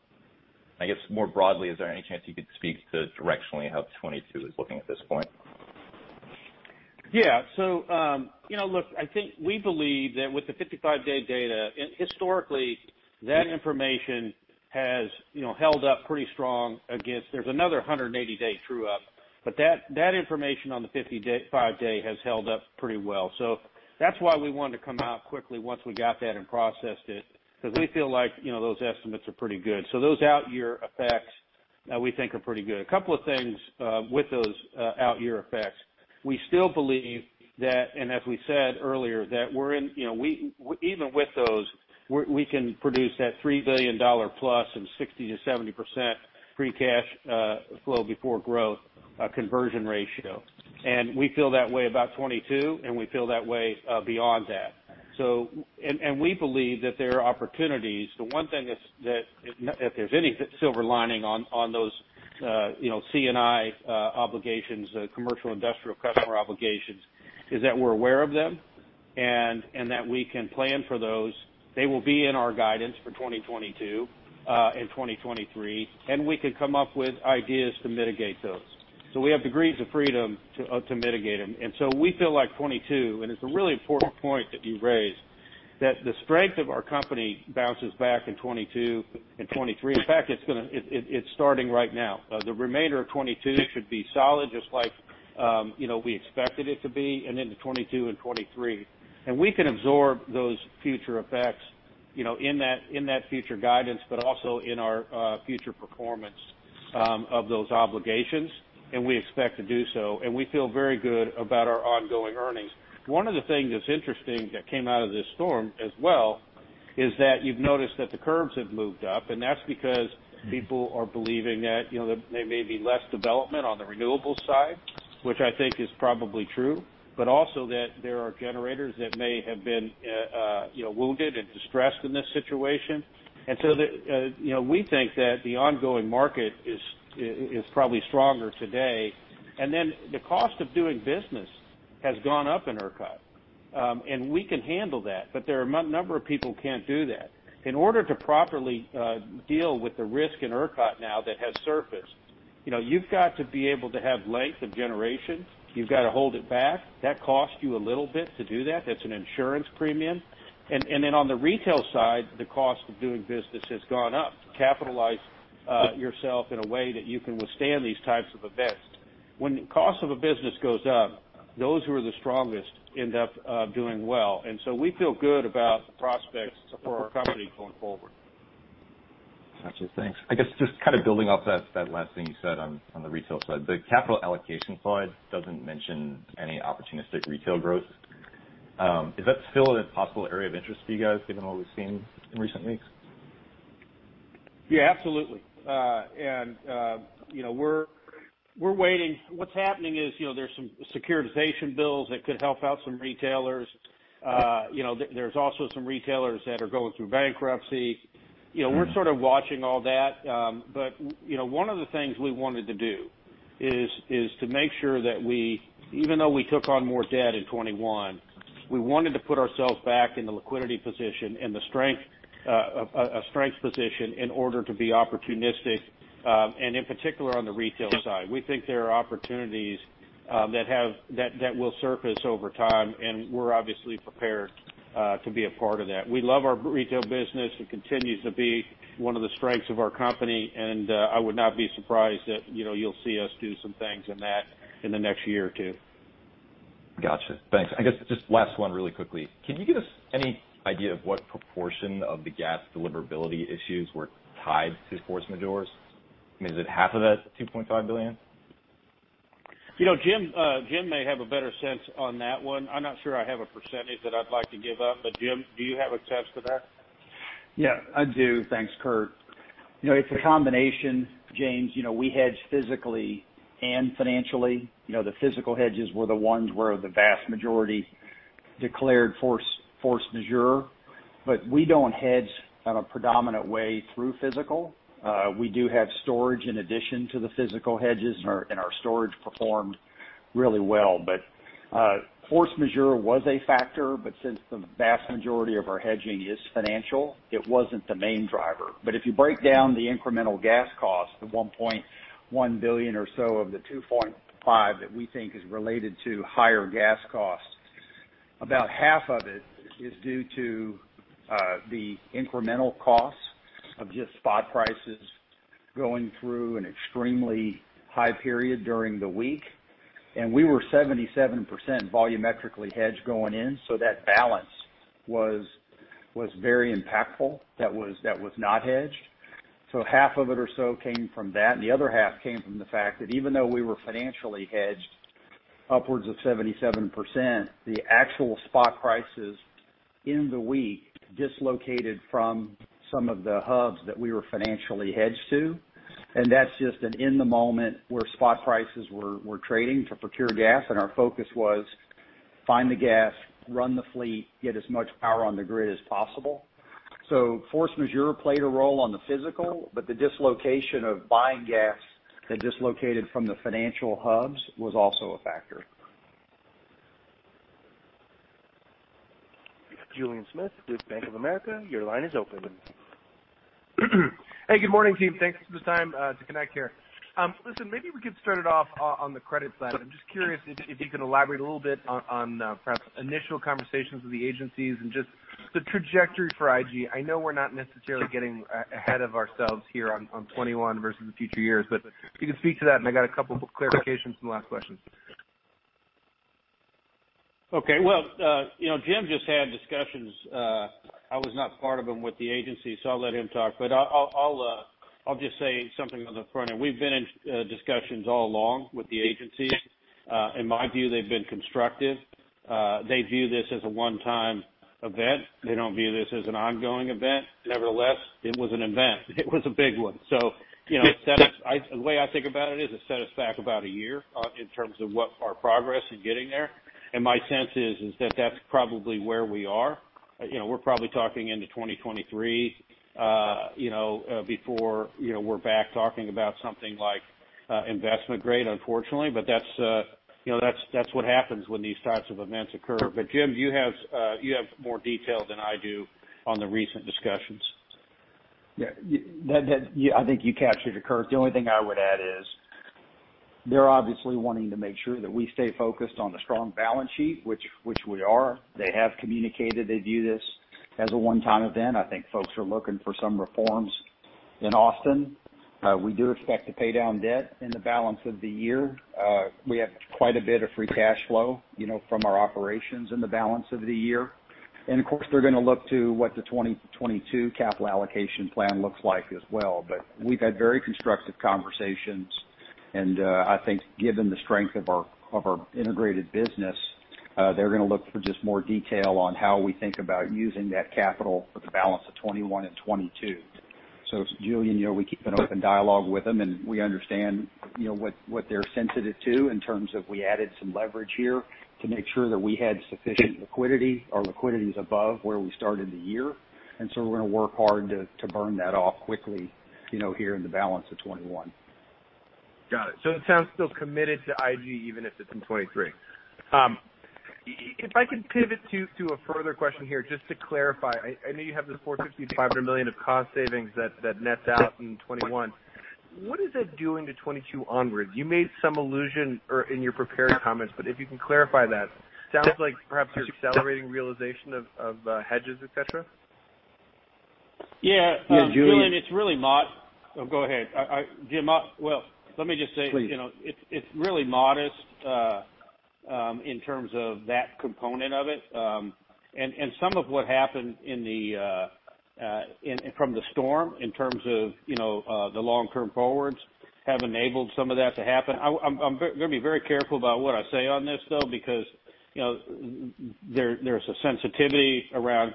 S6: I guess more broadly, is there any chance you could speak to directionally how 2022 is looking at this point?
S3: Yeah. Look, I think we believe that with the 55-day data, historically, that information has held up pretty strong. There's another 180-day true-up. That information on the 55-day has held up pretty well. That's why we wanted to come out quickly once we got that and processed it because we feel like those estimates are pretty good. Those out year effects we think are pretty good. A couple of things with those out year effects. We still believe that, and as we said earlier, that even with those, we can produce that $3 billion plus and 60%-70% free cash flow before growth conversion ratio. We feel that way about 2022, and we feel that way beyond that. We believe that there are opportunities. The one thing is that if there's any silver lining on those C&I obligations, commercial industrial customer obligations, is that we're aware of them, and that we can plan for those. They will be in our guidance for 2022, and 2023, and we can come up with ideas to mitigate those. We have degrees of freedom to mitigate them. We feel like 2022, and it's a really important point that you've raised, that the strength of our company bounces back in 2022 and 2023. In fact, it's starting right now. The remainder of 2022 should be solid, just like we expected it to be, and into 2022 and 2023. We can absorb those future effects in that future guidance, but also in our future performance of those obligations, and we expect to do so. We feel very good about our ongoing earnings. One of the things that's interesting that came out of this storm as well, is that you've noticed that the curves have moved up, that's because people are believing that there may be less development on the renewables side, which I think is probably true, but also that there are generators that may have been wounded and distressed in this situation. We think that the ongoing market is probably stronger today. The cost of doing business has gone up in ERCOT. We can handle that, but there are a number of people who can't do that. In order to properly deal with the risk in ERCOT now that has surfaced, you've got to be able to have length of generation. You've got to hold it back. That costs you a little bit to do that. That's an insurance premium. On the retail side, the cost of doing business has gone up. Capitalize yourself in a way that you can withstand these types of events. When cost of a business goes up, those who are the strongest end up doing well. We feel good about the prospects for our company going forward.
S6: Got you. Thanks. I guess just kind of building off that last thing you said on the retail side. The capital allocation slide doesn't mention any opportunistic retail growth. Is that still a possible area of interest for you guys given all we've seen in recent weeks?
S3: Yeah, absolutely. We're waiting. What's happening is there's some securitization bills that could help out some retailers. There's also some retailers that are going through bankruptcy. We're sort of watching all that. One of the things we wanted to do is to make sure that even though we took on more debt in 2021, we wanted to put ourselves back in the liquidity position and a strength position in order to be opportunistic. In particular, on the retail side. We think there are opportunities that will surface over time, and we're obviously prepared to be a part of that. We love our retail business. It continues to be one of the strengths of our company, and I would not be surprised that you'll see us do some things in that in the next year or two.
S6: Got you. Thanks. I guess just last one really quickly. Can you give us any idea of what proportion of the gas deliverability issues were tied to force majeures? I mean, is it half of that $2.5 billion?
S3: Jim may have a better sense on that one. I'm not sure I have a percentage that I'd like to give up. Jim, do you have a sense of that?
S4: Yeah, I do. Thanks, Curt. It's a combination, James. We hedge physically and financially. The physical hedges were the ones where the vast majority declared force majeure. We don't hedge in a predominant way through physical. We do have storage in addition to the physical hedges, and our storage performed really well. Force majeure was a factor, but since the vast majority of our hedging is financial, it wasn't the main driver. If you break down the incremental gas cost of $1.1 billion or so of the $2.5 billion that we think is related to higher gas cost, about half of it is due to the incremental cost of just spot prices going through an extremely high period during the week. We were 77% volumetrically hedged going in, so that balance was very impactful that was not hedged. Half of it or so came from that, and the other half came from the fact that even though we were financially hedged upwards of 77%, the actual spot prices in the week dislocated from some of the hubs that we were financially hedged to. That's just an in the moment where spot prices were trading to procure gas and our focus was find the gas, run the fleet, get as much power on the grid as possible. Force majeure played a role on the physical, but the dislocation of buying gas that dislocated from the financial hubs was also a factor.
S1: Julien Dumoulin-Smith with Bank of America, your line is open.
S7: Hey, good morning, team. Thanks for the time to connect here. Listen, maybe we could start it off on the credit side. I'm just curious if you can elaborate a little bit on perhaps initial conversations with the agencies and just the trajectory for IG. I know we're not necessarily getting ahead of ourselves here on 2021 versus the future years, but if you could speak to that, and I got a couple clarifications and last questions.
S3: Okay. Well, Jim just had discussions, I was not part of them, with the agency. I'll let him talk. I'll just say something on the front end. We've been in discussions all along with the agencies. In my view, they've been constructive. They view this as a one-time event. They don't view this as an ongoing event. Nevertheless, it was an event. It was a big one. The way I think about it is it set us back about one year in terms of what our progress in getting there. My sense is that that's probably where we are. We're probably talking into 2023 before we're back talking about something like investment grade, unfortunately. That's what happens when these types of events occur. Jim, you have more detail than I do on the recent discussions.
S4: Yeah. I think you captured it, Curt. The only thing I would add is they're obviously wanting to make sure that we stay focused on the strong balance sheet, which we are. They have communicated they view this as a one-time event. I think folks are looking for some reforms in Austin. We do expect to pay down debt in the balance of the year. We have quite a bit of free cash flow from our operations in the balance of the year. Of course, they're going to look to what the 2022 capital allocation plan looks like as well. We've had very constructive conversations, and I think given the strength of our integrated business, they're going to look for just more detail on how we think about using that capital for the balance of 2021 and 2022. Julien, we keep an open dialogue with them, and we understand what they're sensitive to in terms of we added some leverage here to make sure that we had sufficient liquidity. Our liquidity is above where we started the year, we're going to work hard to burn that off quickly here in the balance of 2021.
S7: Got it. It sounds still committed to IG, even if it's in 2023. If I can pivot to a further question here, just to clarify, I know you have this $450 million-$500 million of cost savings that nets out in 2021. What is that doing to 2022 onwards? You made some allusion in your prepared comments, if you can clarify that. Sounds like perhaps you're accelerating realization of hedges, et cetera?
S3: Yeah.
S4: Yeah, Julien.
S3: Julien, it's really. Oh, go ahead, Jim.
S4: Please
S3: It's really modest in terms of that component of it. Some of what happened from Winter Storm Uri in terms of the long-term forwards have enabled some of that to happen. I'm going to be very careful about what I say on this, though, because there's a sensitivity around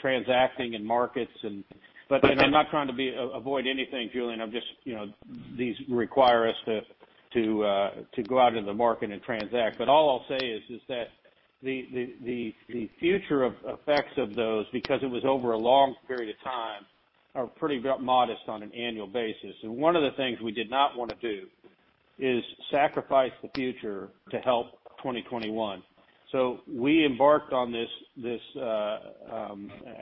S3: transacting and markets. I'm not trying to avoid anything, Julien. These require us to go out into the market and transact. All I'll say is that the future effects of those, because it was over a long period of time, are pretty modest on an annual basis. One of the things we did not want to do is sacrifice the future to help 2021. We embarked on this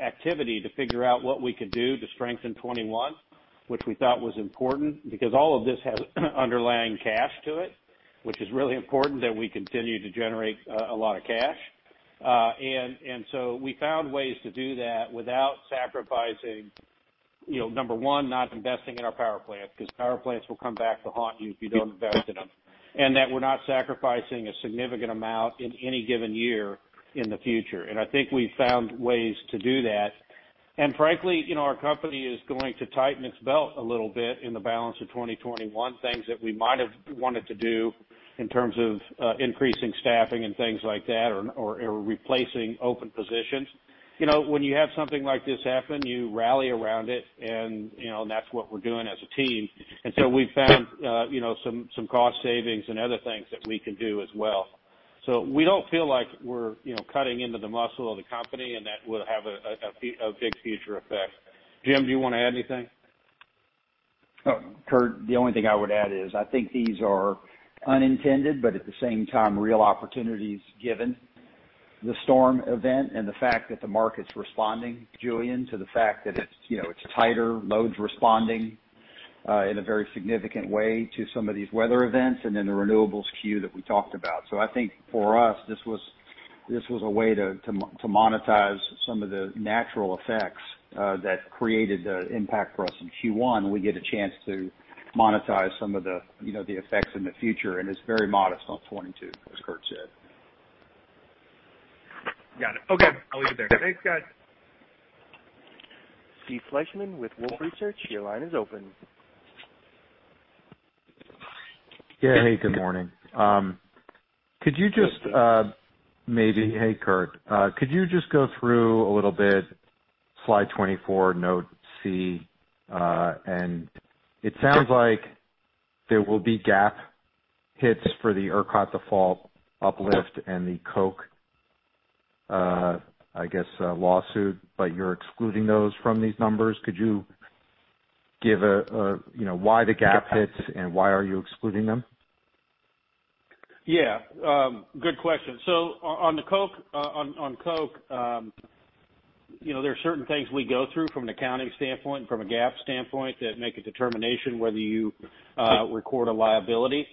S3: activity to figure out what we could do to strengthen 2021, which we thought was important because all of this has underlying cash to it, which is really important that we continue to generate a lot of cash. We found ways to do that without sacrificing, number one, not investing in our power plant, because power plants will come back to haunt you if you don't invest in them. That we're not sacrificing a significant amount in any given year in the future. I think we've found ways to do that. Frankly, our company is going to tighten its belt a little bit in the balance of 2021. Things that we might have wanted to do in terms of increasing staffing and things like that or replacing open positions. When you have something like this happen, you rally around it, that's what we're doing as a team. We've found some cost savings and other things that we can do as well. We don't feel like we're cutting into the muscle of the company and that will have a big future effect. Jim, do you want to add anything?
S4: Curt, the only thing I would add is, I think these are unintended, but at the same time, real opportunities given the storm event and the fact that the market's responding, Julien, to the fact that it's tighter, load's responding in a very significant way to some of these weather events, and then the renewables queue that we talked about. I think for us, this was a way to monetize some of the natural effects that created the impact for us in Q1. We get a chance to monetize some of the effects in the future, and it's very modest on 2022, as Curt said.
S7: Got it. Okay. I'll leave it there. Thanks, guys.
S1: Steve Fleishman with Wolfe Research, your line is open.
S8: Yeah, hey, good morning.
S3: Hey
S8: Hey, Curt. Could you just go through a little bit slide 24, note C? It sounds like there will be GAAP hits for the ERCOT default uplift and the Koch, I guess, lawsuit, but you're excluding those from these numbers. Could you give why the GAAP hits and why are you excluding them?
S3: Yeah. Good question. On Koch, there are certain things we go through from an accounting standpoint and from a GAAP standpoint that make a determination whether you record a liability.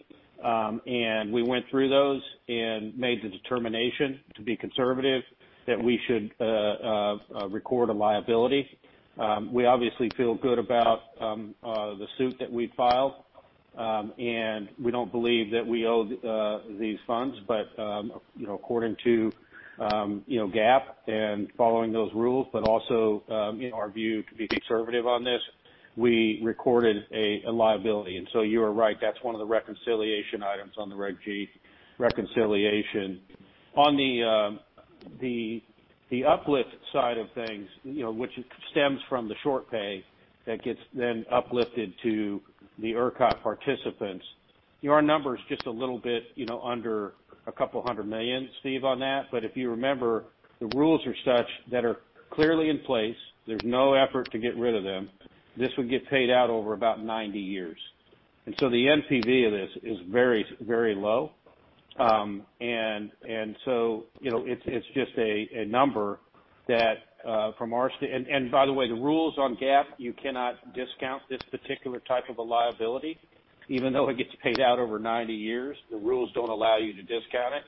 S3: We went through those and made the determination to be conservative that we should record a liability. We obviously feel good about the suit that we filed, and we don't believe that we owe these funds. According to GAAP and following those rules, but also in our view, to be conservative on this, we recorded a liability. You are right. That's one of the reconciliation items on the Reg G reconciliation. On the uplift side of things, which stems from the short pay that gets then uplifted to the ERCOT participants, our number is just a little bit under $200 million, Steve, on that. If you remember, the rules are such that are clearly in place. There's no effort to get rid of them. This would get paid out over about 90 years. The NPV of this is very low. It's just a number that by the way, the rules on GAAP, you cannot discount this particular type of a liability, even though it gets paid out over 90 years. The rules don't allow you to discount it.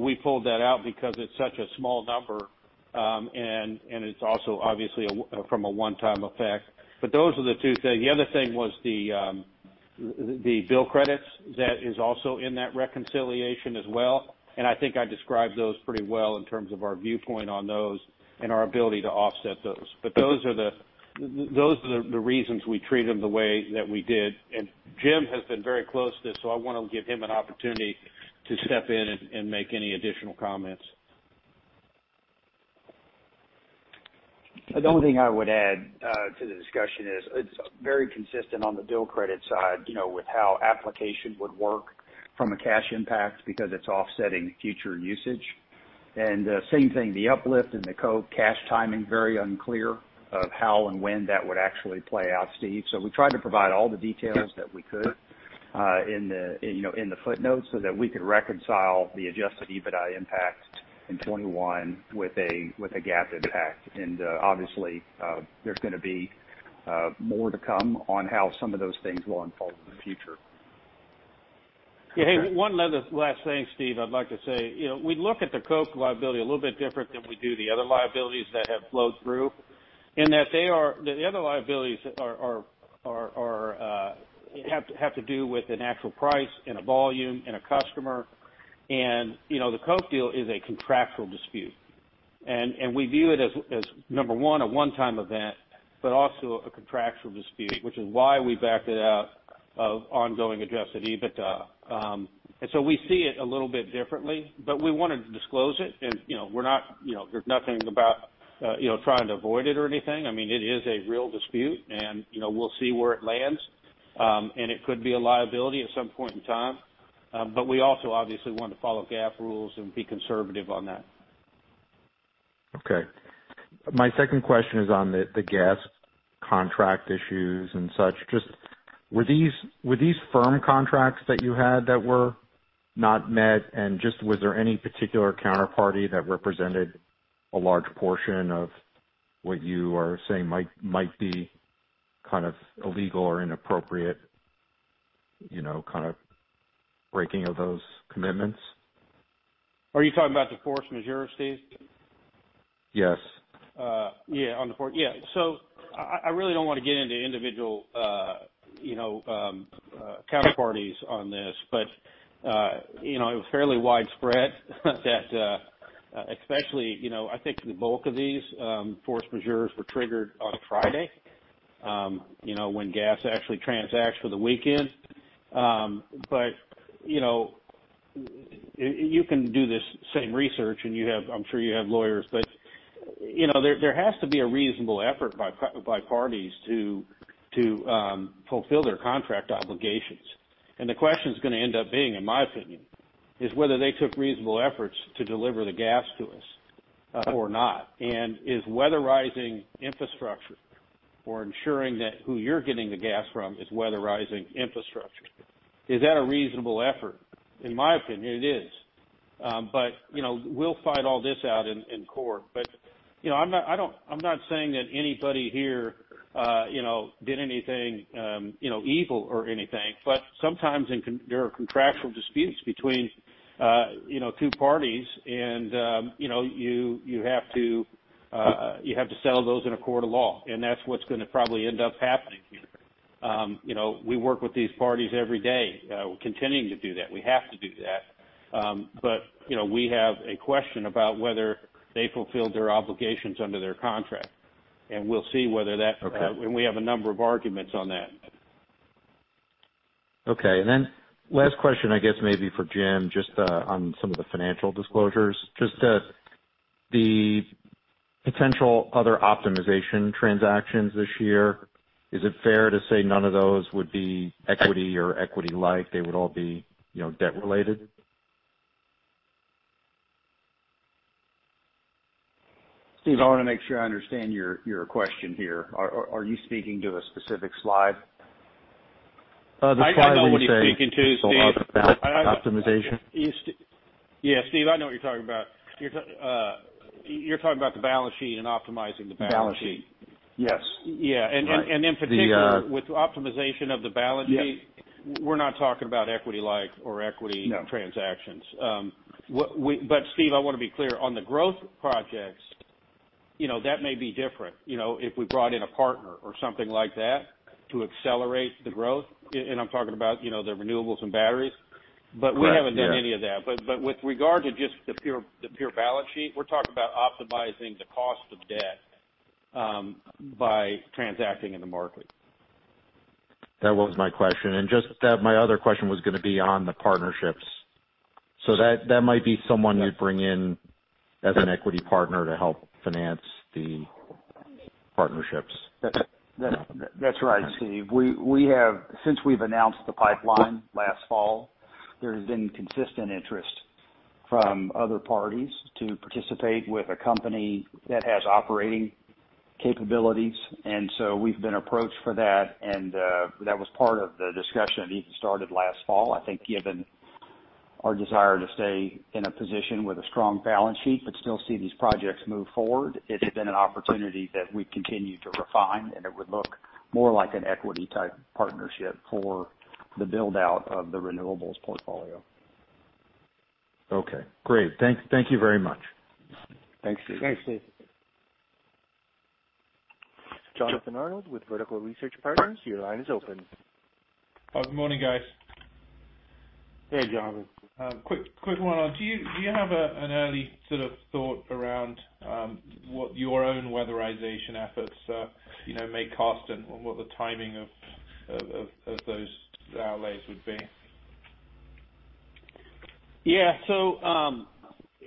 S3: We pulled that out because it's such a small number, and it's also obviously from a one-time effect. Those are the two things. The other thing was the bill credits that is also in that reconciliation as well. I think I described those pretty well in terms of our viewpoint on those and our ability to offset those. Those are the reasons we treat them the way that we did. Jim has been very close to this, so I want to give him an opportunity to step in and make any additional comments.
S4: The only thing I would add to the discussion is it's very consistent on the bill credit side with how application would work from a cash impact because it's offsetting future usage. Same thing, the uplift and the Koch cash timing, very unclear of how and when that would actually play out, Steve. We tried to provide all the details that we could in the footnotes so that we could reconcile the Adjusted EBITDA impact in 2021 with a GAAP impact. Obviously, there's going to be more to come on how some of those things will unfold in the future.
S3: Hey, one last thing, Steve, I'd like to say. We look at the Koch liability a little bit different than we do the other liabilities that have flowed through, in that the other liabilities have to do with an actual price and a volume and a customer. The Koch deal is a contractual dispute, and we view it as, number one, a one-time event, but also a contractual dispute, which is why we backed it out of ongoing Adjusted EBITDA. We see it a little bit differently, but we wanted to disclose it. There's nothing about trying to avoid it or anything. It is a real dispute, and we'll see where it lands. It could be a liability at some point in time. We also obviously want to follow GAAP rules and be conservative on that.
S8: Okay. My second question is on the gas contract issues and such. Just, were these firm contracts that you had that were not met? Just was there any particular counterparty that represented a large portion of what you are saying might be kind of illegal or inappropriate, kind of breaking of those commitments?
S3: Are you talking about the force majeure, Steve?
S8: Yes.
S3: Yeah. I really don't want to get into individual counterparties on this, but it was fairly widespread that, especially, I think the bulk of these force majeurs were triggered on Friday when gas actually transacts for the weekend. You can do this same research, and I'm sure you have lawyers, but there has to be a reasonable effort by parties to fulfill their contract obligations. The question's going to end up being, in my opinion, is whether they took reasonable efforts to deliver the gas to us or not, and is weatherizing infrastructure or ensuring that who you're getting the gas from is weatherizing infrastructure, is that a reasonable effort? In my opinion, it is. We'll fight all this out in court. I'm not saying that anybody here did anything evil or anything, but sometimes there are contractual disputes between two parties, and you have to settle those in a court of law. That's what's going to probably end up happening here. We work with these parties every day. We're continuing to do that. We have to do that. We have a question about whether they fulfilled their obligations under their contract, and we'll see whether that-
S8: Okay
S3: We have a number of arguments on that.
S8: Okay, last question, I guess maybe for Jim, just on some of the financial disclosures. Just the potential other optimization transactions this year, is it fair to say none of those would be equity or equity-like? They would all be debt-related?
S3: Steve, I want to make sure I understand your question here. Are you speaking to a specific slide?
S8: The slide that you.
S4: I know what he's speaking to, Steve.
S8: optimization.
S3: Yeah, Steve, I know what you're talking about. You're talking about the balance sheet and optimizing the balance sheet.
S8: Balance sheet. Yes.
S3: Yeah.
S8: Right.
S3: In particular, with optimization of the balance sheet.
S8: Yes
S3: We're not talking about equity-like or equity transactions.
S8: No.
S3: Steve, I want to be clear. On the growth projects, that may be different, if we brought in a partner or something like that to accelerate the growth, and I'm talking about the renewables and batteries.
S8: Right. Yeah.
S3: We haven't done any of that. With regard to just the pure balance sheet, we're talking about optimizing the cost of debt by transacting in the market.
S8: That was my question. Just that my other question was going to be on the partnerships. That might be someone you'd bring in as an equity partner to help finance the partnerships.
S3: That's right, Steve. Since we've announced the pipeline last fall, there has been consistent interest from other parties to participate with a company that has operating capabilities. We've been approached for that, and that was part of the discussion that even started last fall, I think, given our desire to stay in a position with a strong balance sheet but still see these projects move forward. It's been an opportunity that we've continued to refine, and it would look more like an equity-type partnership for the build-out of the renewables portfolio.
S8: Okay, great. Thank you very much.
S3: Thanks, Steve.
S4: Thanks, Steve.
S1: Jonathan Arnold with Vertical Research Partners, your line is open.
S9: Good morning, guys.
S4: Hey, Jonathan.
S9: Quick one. Do you have an early sort of thought around what your own weatherization efforts may cost and what the timing of those outlays would be?
S3: Yeah.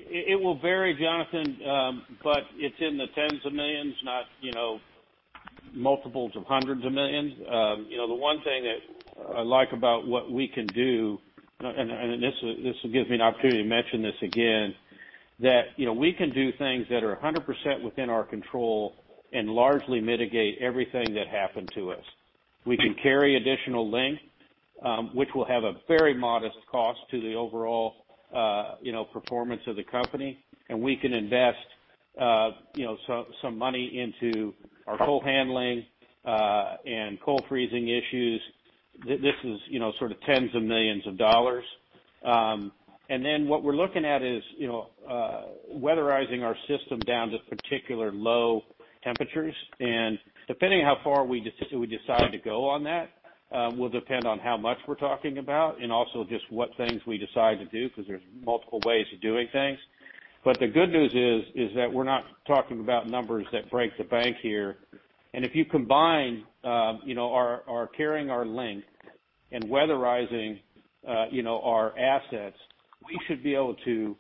S3: It will vary, Jonathan, but it's in the tens of millions, not multiples of hundreds of millions. The one thing that I like about what we can do, and this will give me an opportunity to mention this again, that we can do things that are 100% within our control and largely mitigate everything that happened to us. We can carry additional length, which will have a very modest cost to the overall performance of the company, and we can invest some money into our coal handling and coal freezing issues. This is tens of millions of dollars. What we're looking at is weatherizing our system down to particular low temperatures. Depending on how far we decide to go on that, will depend on how much we're talking about, and also just what things we decide to do, because there's multiple ways of doing things. The good news is that we're not talking about numbers that break the bank here. If you combine carrying our length and weatherizing our assets, we should be able to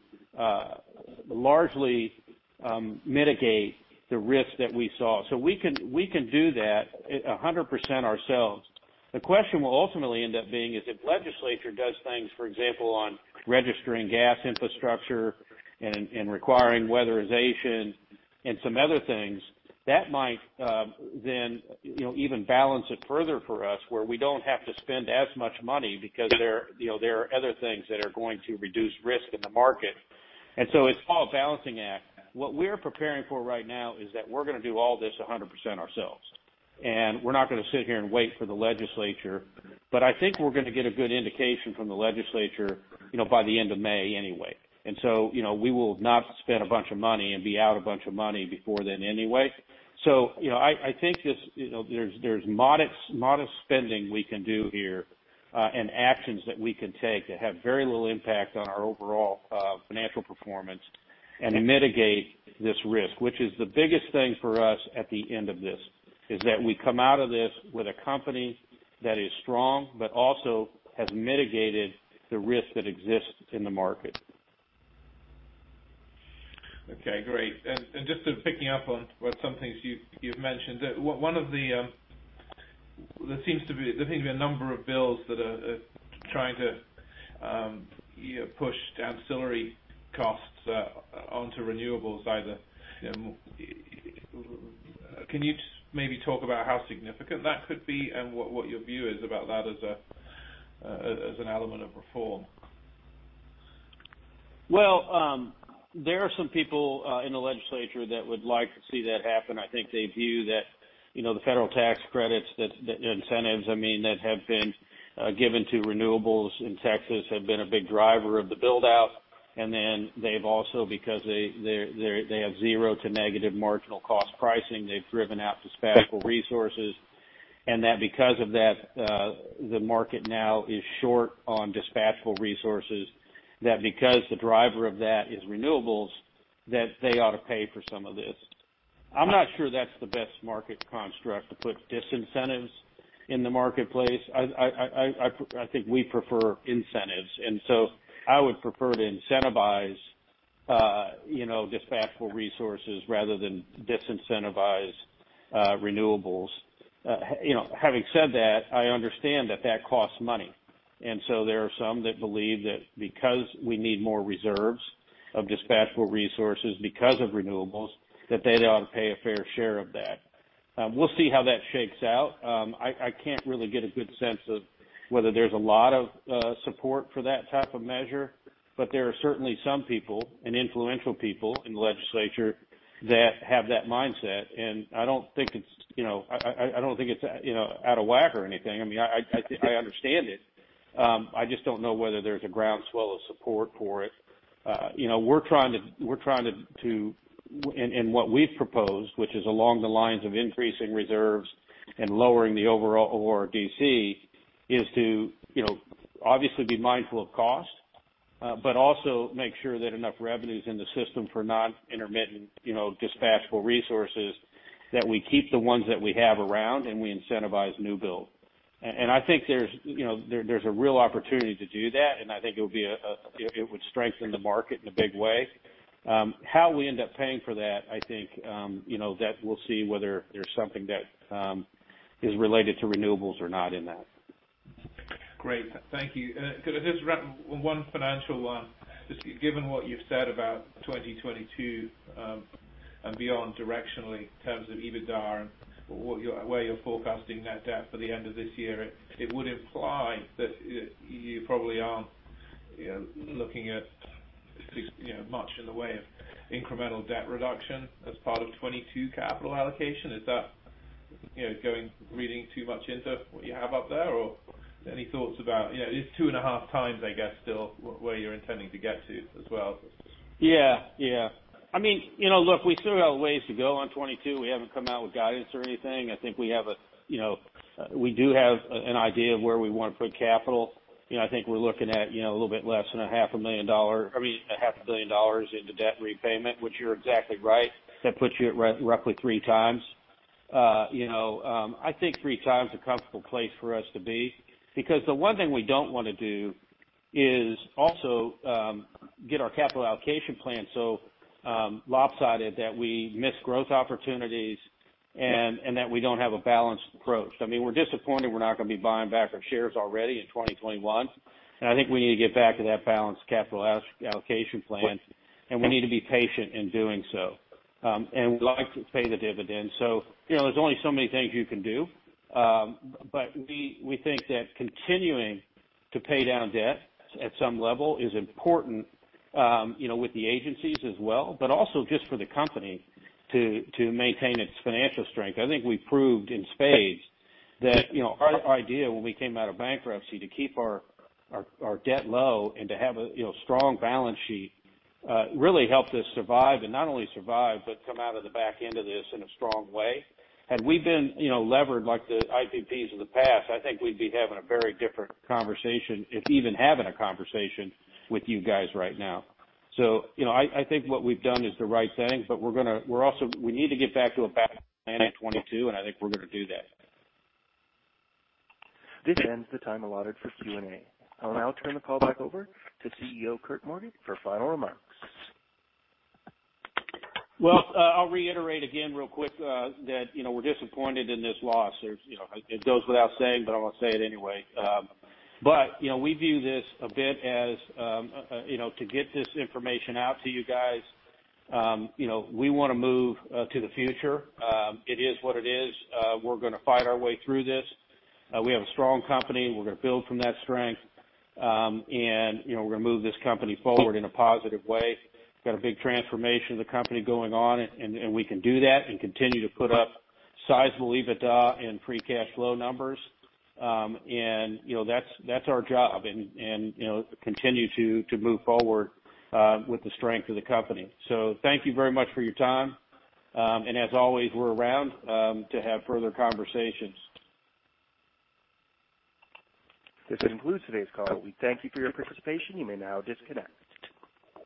S3: largely mitigate the risk that we saw. We can do that 100% ourselves. The question will ultimately end up being is if Texas Legislature does things, for example, on registering gas infrastructure and requiring weatherization and some other things, that might then even balance it further for us, where we don't have to spend as much money because there are other things that are going to reduce risk in the market. It's all a balancing act. What we're preparing for right now is that we're going to do all this 100% ourselves, and we're not going to sit here and wait for the Texas Legislature. I think we're going to get a good indication from the legislature by the end of May anyway. We will not spend a bunch of money and be out a bunch of money before then anyway. I think there's modest spending we can do here, and actions that we can take that have very little impact on our overall financial performance and mitigate this risk, which is the biggest thing for us at the end of this, is that we come out of this with a company that is strong, but also has mitigated the risk that exists in the market.
S9: Okay, great. Just picking up on some things you've mentioned. There seems to be a number of bills that are trying to push ancillary costs onto renewables either. Can you maybe talk about how significant that could be and what your view is about that as an element of reform?
S3: Well, there are some people in the Texas Legislature that would like to see that happen. I think they view that the federal tax credits, incentives, I mean, that have been given to renewables in Texas have been a big driver of the build-out. Then they've also, because they have zero to negative marginal cost pricing, they've driven out dispatchable resources. That because of that, the market now is short on dispatchable resources. That because the driver of that is renewables, that they ought to pay for some of this. I'm not sure that's the best market construct to put disincentives in the marketplace. I think we prefer incentives, so I would prefer to incentivize dispatchable resources rather than disincentivize renewables. Having said that, I understand that that costs money. There are some that believe that because we need more reserves of dispatchable resources because of renewables, that they ought to pay a fair share of that. We'll see how that shakes out. I can't really get a good sense of whether there's a lot of support for that type of measure, but there are certainly some people and influential people in the legislature that have that mindset, and I don't think it's out of whack or anything. I understand it. I just don't know whether there's a groundswell of support for it. What we've proposed, which is along the lines of increasing reserves and lowering the overall ORDC, is to obviously be mindful of cost, but also make sure that enough revenue's in the system for non-intermittent dispatchable resources, that we keep the ones that we have around and we incentivize new build. I think there's a real opportunity to do that, and I think it would strengthen the market in a big way. How we end up paying for that, I think that we'll see whether there's something that is related to renewables or not in that.
S9: Great. Thank you. Could I just wrap one financial one? Just given what you've said about 2022 and beyond directionally in terms of EBITDA and where you're forecasting net debt for the end of this year, it would imply that you probably aren't looking at much in the way of incremental debt reduction as part of 2022 capital allocation. Is that reading too much into what you have up there, or any thoughts? It's 2.5x, I guess, still where you're intending to get to as well.
S3: Yeah. Look, we still got a ways to go on 2022. We haven't come out with guidance or anything. I think we do have an idea of where we want to put capital. I think we're looking at a little bit less than, I mean, a half a billion dollars into debt repayment, which you're exactly right. That puts you at roughly three times. I think three times a comfortable place for us to be. The one thing we don't want to do is also get our capital allocation plan so lopsided that we miss growth opportunities and that we don't have a balanced approach. We're disappointed we're not going to be buying back our shares already in 2021, and I think we need to get back to that balanced capital allocation plan, and we need to be patient in doing so. We'd like to pay the dividend. There's only so many things you can do. We think that continuing to pay down debt at some level is important with the agencies as well, but also just for the company to maintain its financial strength. I think we proved in spades that our idea when we came out of bankruptcy to keep our debt low and to have a strong balance sheet really helped us survive. Not only survive, but come out of the back end of this in a strong way. Had we been levered like the IPPs in the past, I think we'd be having a very different conversation, if even having a conversation with you guys right now. I think what we've done is the right thing, but we need to get back to a balanced plan in 2022, and I think we're going to do that.
S1: This ends the time allotted for Q&A. I will now turn the call back over to CEO Curt Morgan for final remarks.
S3: I'll reiterate again real quick that we're disappointed in this loss. It goes without saying, I'm going to say it anyway. We view this a bit as to get this information out to you guys. We want to move to the future. It is what it is. We're going to fight our way through this. We have a strong company. We're going to build from that strength, we're going to move this company forward in a positive way. We've got a big transformation of the company going on, we can do that and continue to put up sizable EBITDA and free cash flow numbers. That's our job. Continue to move forward with the strength of the company. Thank you very much for your time, as always, we're around to have further conversations.
S1: This concludes today's call. We thank you for your participation. You may now disconnect.